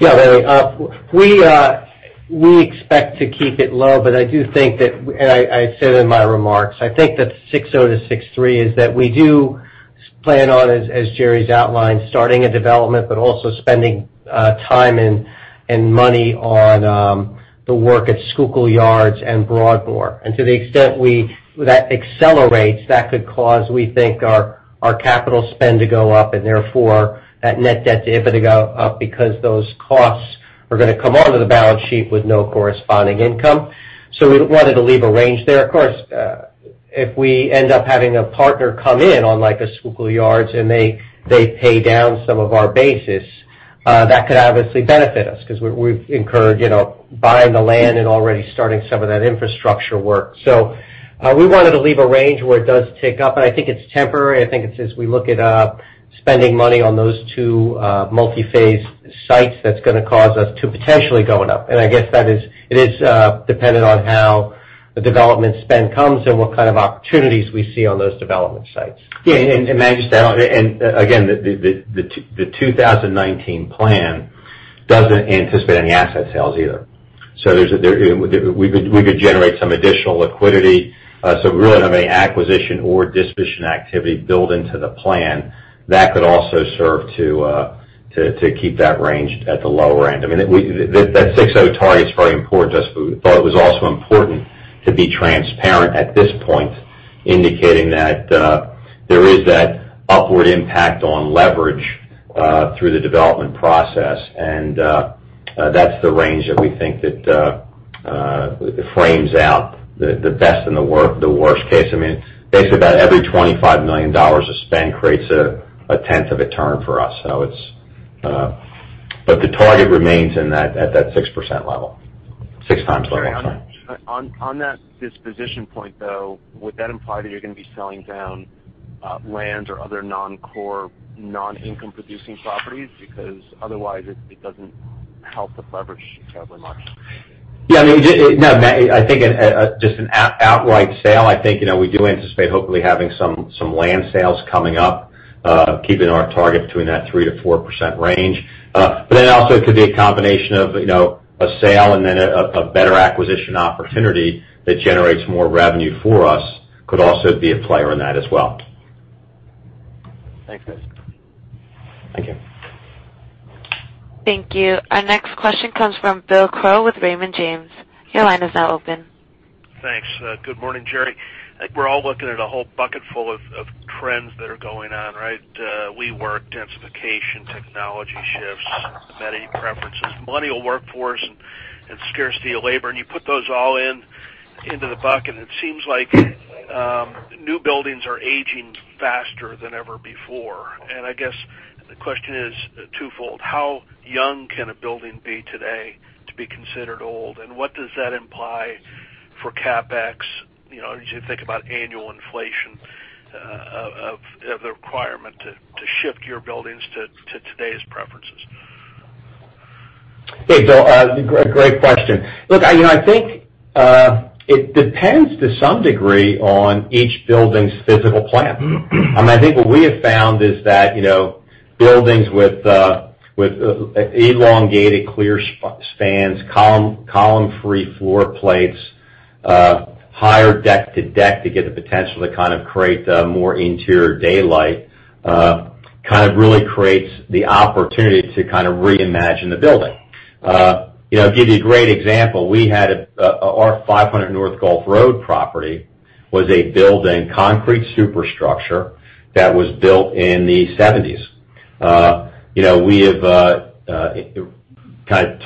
that? Manny. We expect to keep it low, but I do think that, and I said in my remarks, I think that 6.0 to 6.3 is that we do plan on, as Jerry's outlined, starting a development, but also spending time and money on the work at Schuylkill Yards and Broadmoor. to the extent that accelerates, that could cause, we think, our capital spend to go up, and therefore that net debt to EBITDA to go up because those costs are going to come onto the balance sheet with no corresponding income. we wanted to leave a range there. Of course, if we end up having a partner come in on like a Schuylkill Yards, and they pay down some of our basis, that could obviously benefit us because we've incurred buying the land and already starting some of that infrastructure work. we wanted to leave a range where it does tick up, and I think it's temporary. I think it's as we look at spending money on those two multi-phase sites, that's going to cause us to potentially go up. I guess that is dependent on how the development spend comes and what kind of opportunities we see on those development sites. Manny, just to add on, and again, the 2019 plan doesn't anticipate any asset sales either. we could generate some additional liquidity. we really don't have any acquisition or disposition activity built into the plan. That could also serve to keep that range at the lower end. I mean, that 6.0 target is very important to us, but it was also important to be transparent at this point, indicating that there is that upward impact on leverage through the development process. that's the range that we think that frames out the best and the worst case. I mean, basically about every $25 million of spend creates a tenth of a turn for us. the target remains at that 6% level. Six times level, I'm sorry. On that disposition point, though, would that imply that you're going to be selling down land or other non-core, non-income producing properties? Because otherwise, it doesn't help the leverage terribly much. Yeah. I mean, no, Manny, I think just an outright sale. I think we do anticipate hopefully having some land sales coming up, keeping our target between that 3%-4% range. Also it could be a combination of a sale and then a better acquisition opportunity that generates more revenue for us, could also be a player in that as well. Thanks, guys. Thank you. Thank you. Our next question comes from Bill Crow with Raymond James. Your line is now open. Thanks. Good morning, Jerry. I think we're all looking at a whole bucket full of trends that are going on, right? WeWork densification, technology shifts, the many preferences, millennial workforce, and scarcity of labor, and you put those all into the bucket, and it seems like new buildings are aging faster than ever before. I guess the question is twofold. How young can a building be today to be considered old? What does that imply for CapEx as you think about annual inflation of the requirement to shift your buildings to today's preferences? Hey, Bill. Great question. Look, I think it depends to some degree on each building's physical plan. I think what we have found is that buildings with elongated clear spans, column-free floor plates, higher deck to deck to get the potential to kind of create more interior daylight, really creates the opportunity to reimagine the building. To give you a great example, we had our 500 North Gulph Road property was a building concrete superstructure that was built in the '70s. We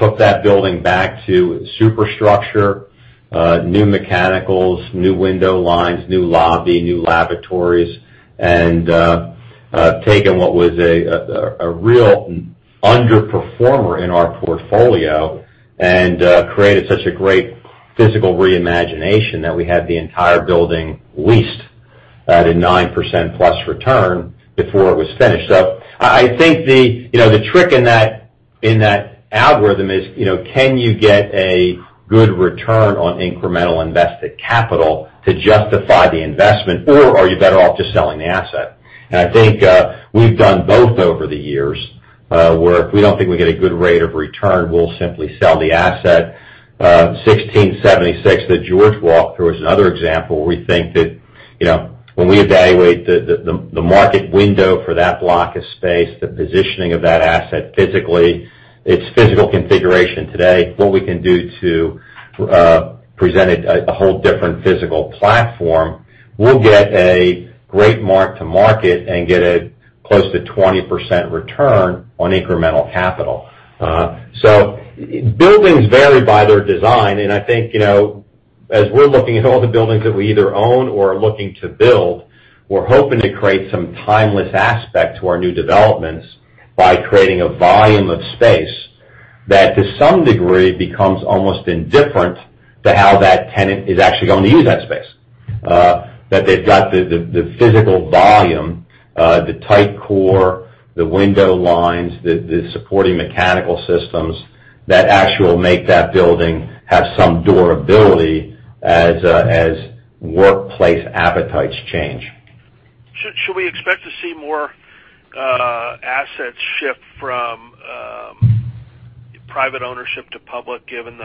took that building back to superstructure, new mechanicals, new window lines, new lobby, new laboratories, and taken what was a real underperformer in our portfolio and created such a great physical reimagination that we had the entire building leased at a 9%+ return before it was finished up. I think the trick in that algorithm is, can you get a good return on incremental invested capital to justify the investment, or are you better off just selling the asset? I think we've done both over the years, where if we don't think we get a good rate of return, we'll simply sell the asset. 1676 that George walked through is another example where we think that when we evaluate the market window for that block of space, the positioning of that asset physically, its physical configuration today, what we can do to present a whole different physical platform, we'll get a great mark-to-market and get a close to 20% return on incremental capital. buildings vary by their design, and I think, as we're looking at all the buildings that we either own or are looking to build, we're hoping to create some timeless aspect to our new developments by creating a volume of space that, to some degree, becomes almost indifferent to how that tenant is actually going to use that space. That they've got the physical volume, the tight core, the window lines, the supporting mechanical systems that actually will make that building have some durability as workplace appetites change. Should we expect to see more assets shift from private ownership to public, given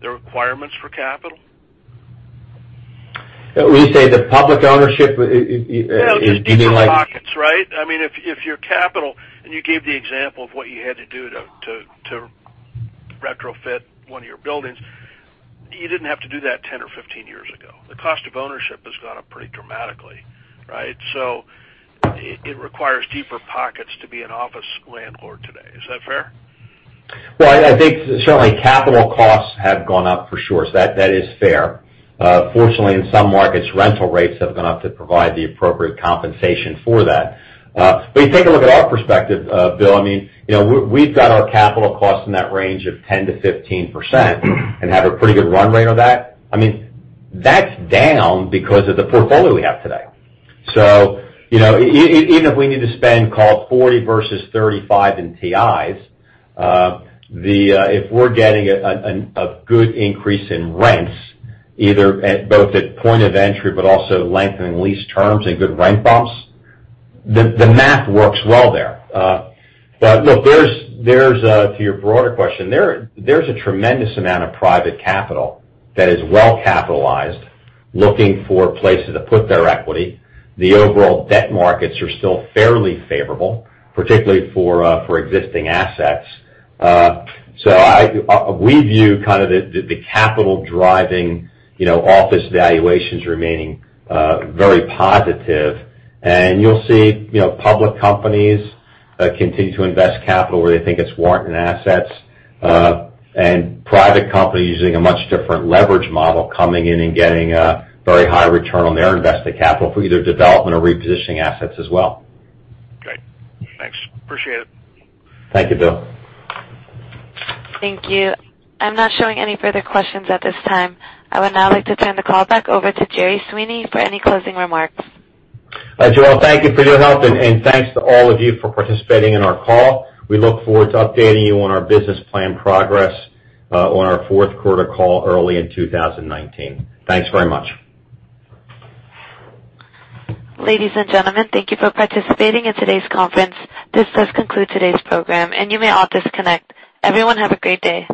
the requirements for capital? When you say the public ownership, do you mean like- Just deeper pockets, right? If your capital, and you gave the example of what you had to do to retrofit one of your buildings, you didn't have to do that 10 or 15 years ago. The cost of ownership has gone up pretty dramatically, right? it requires deeper pockets to be an office landlord today. Is that fair? Well, I think certainly capital costs have gone up for sure. That is fair. Fortunately, in some markets, rental rates have gone up to provide the appropriate compensation for that. If you take a look at our perspective, Bill, we've got our capital costs in that range of 10%-15% and have a pretty good run rate on that. That's down because of the portfolio we have today. Even if we need to spend, call it 40 versus 35 in TIs, if we're getting a good increase in rents, either both at point of entry, but also lengthening lease terms and good rent bumps, the math works well there. Look, to your broader question, there's a tremendous amount of private capital that is well-capitalized, looking for places to put their equity. The overall debt markets are still fairly favorable, particularly for existing assets. We view the capital driving office valuations remaining very positive. You'll see public companies continue to invest capital where they think it's warrant in assets, and private companies using a much different leverage model coming in and getting a very high return on their invested capital for either development or repositioning assets as well. Great. Thanks. Appreciate it. Thank you, Bill. Thank you. I'm not showing any further questions at this time. I would now like to turn the call back over to Jerry Sweeney for any closing remarks. Joelle, thank you for your help, and thanks to all of you for participating in our call. We look forward to updating you on our business plan progress on our fourth quarter call early in 2019. Thanks very much. Ladies and gentlemen, thank you for participating in today's conference. This does conclude today's program, and you may all disconnect. Everyone have a great day.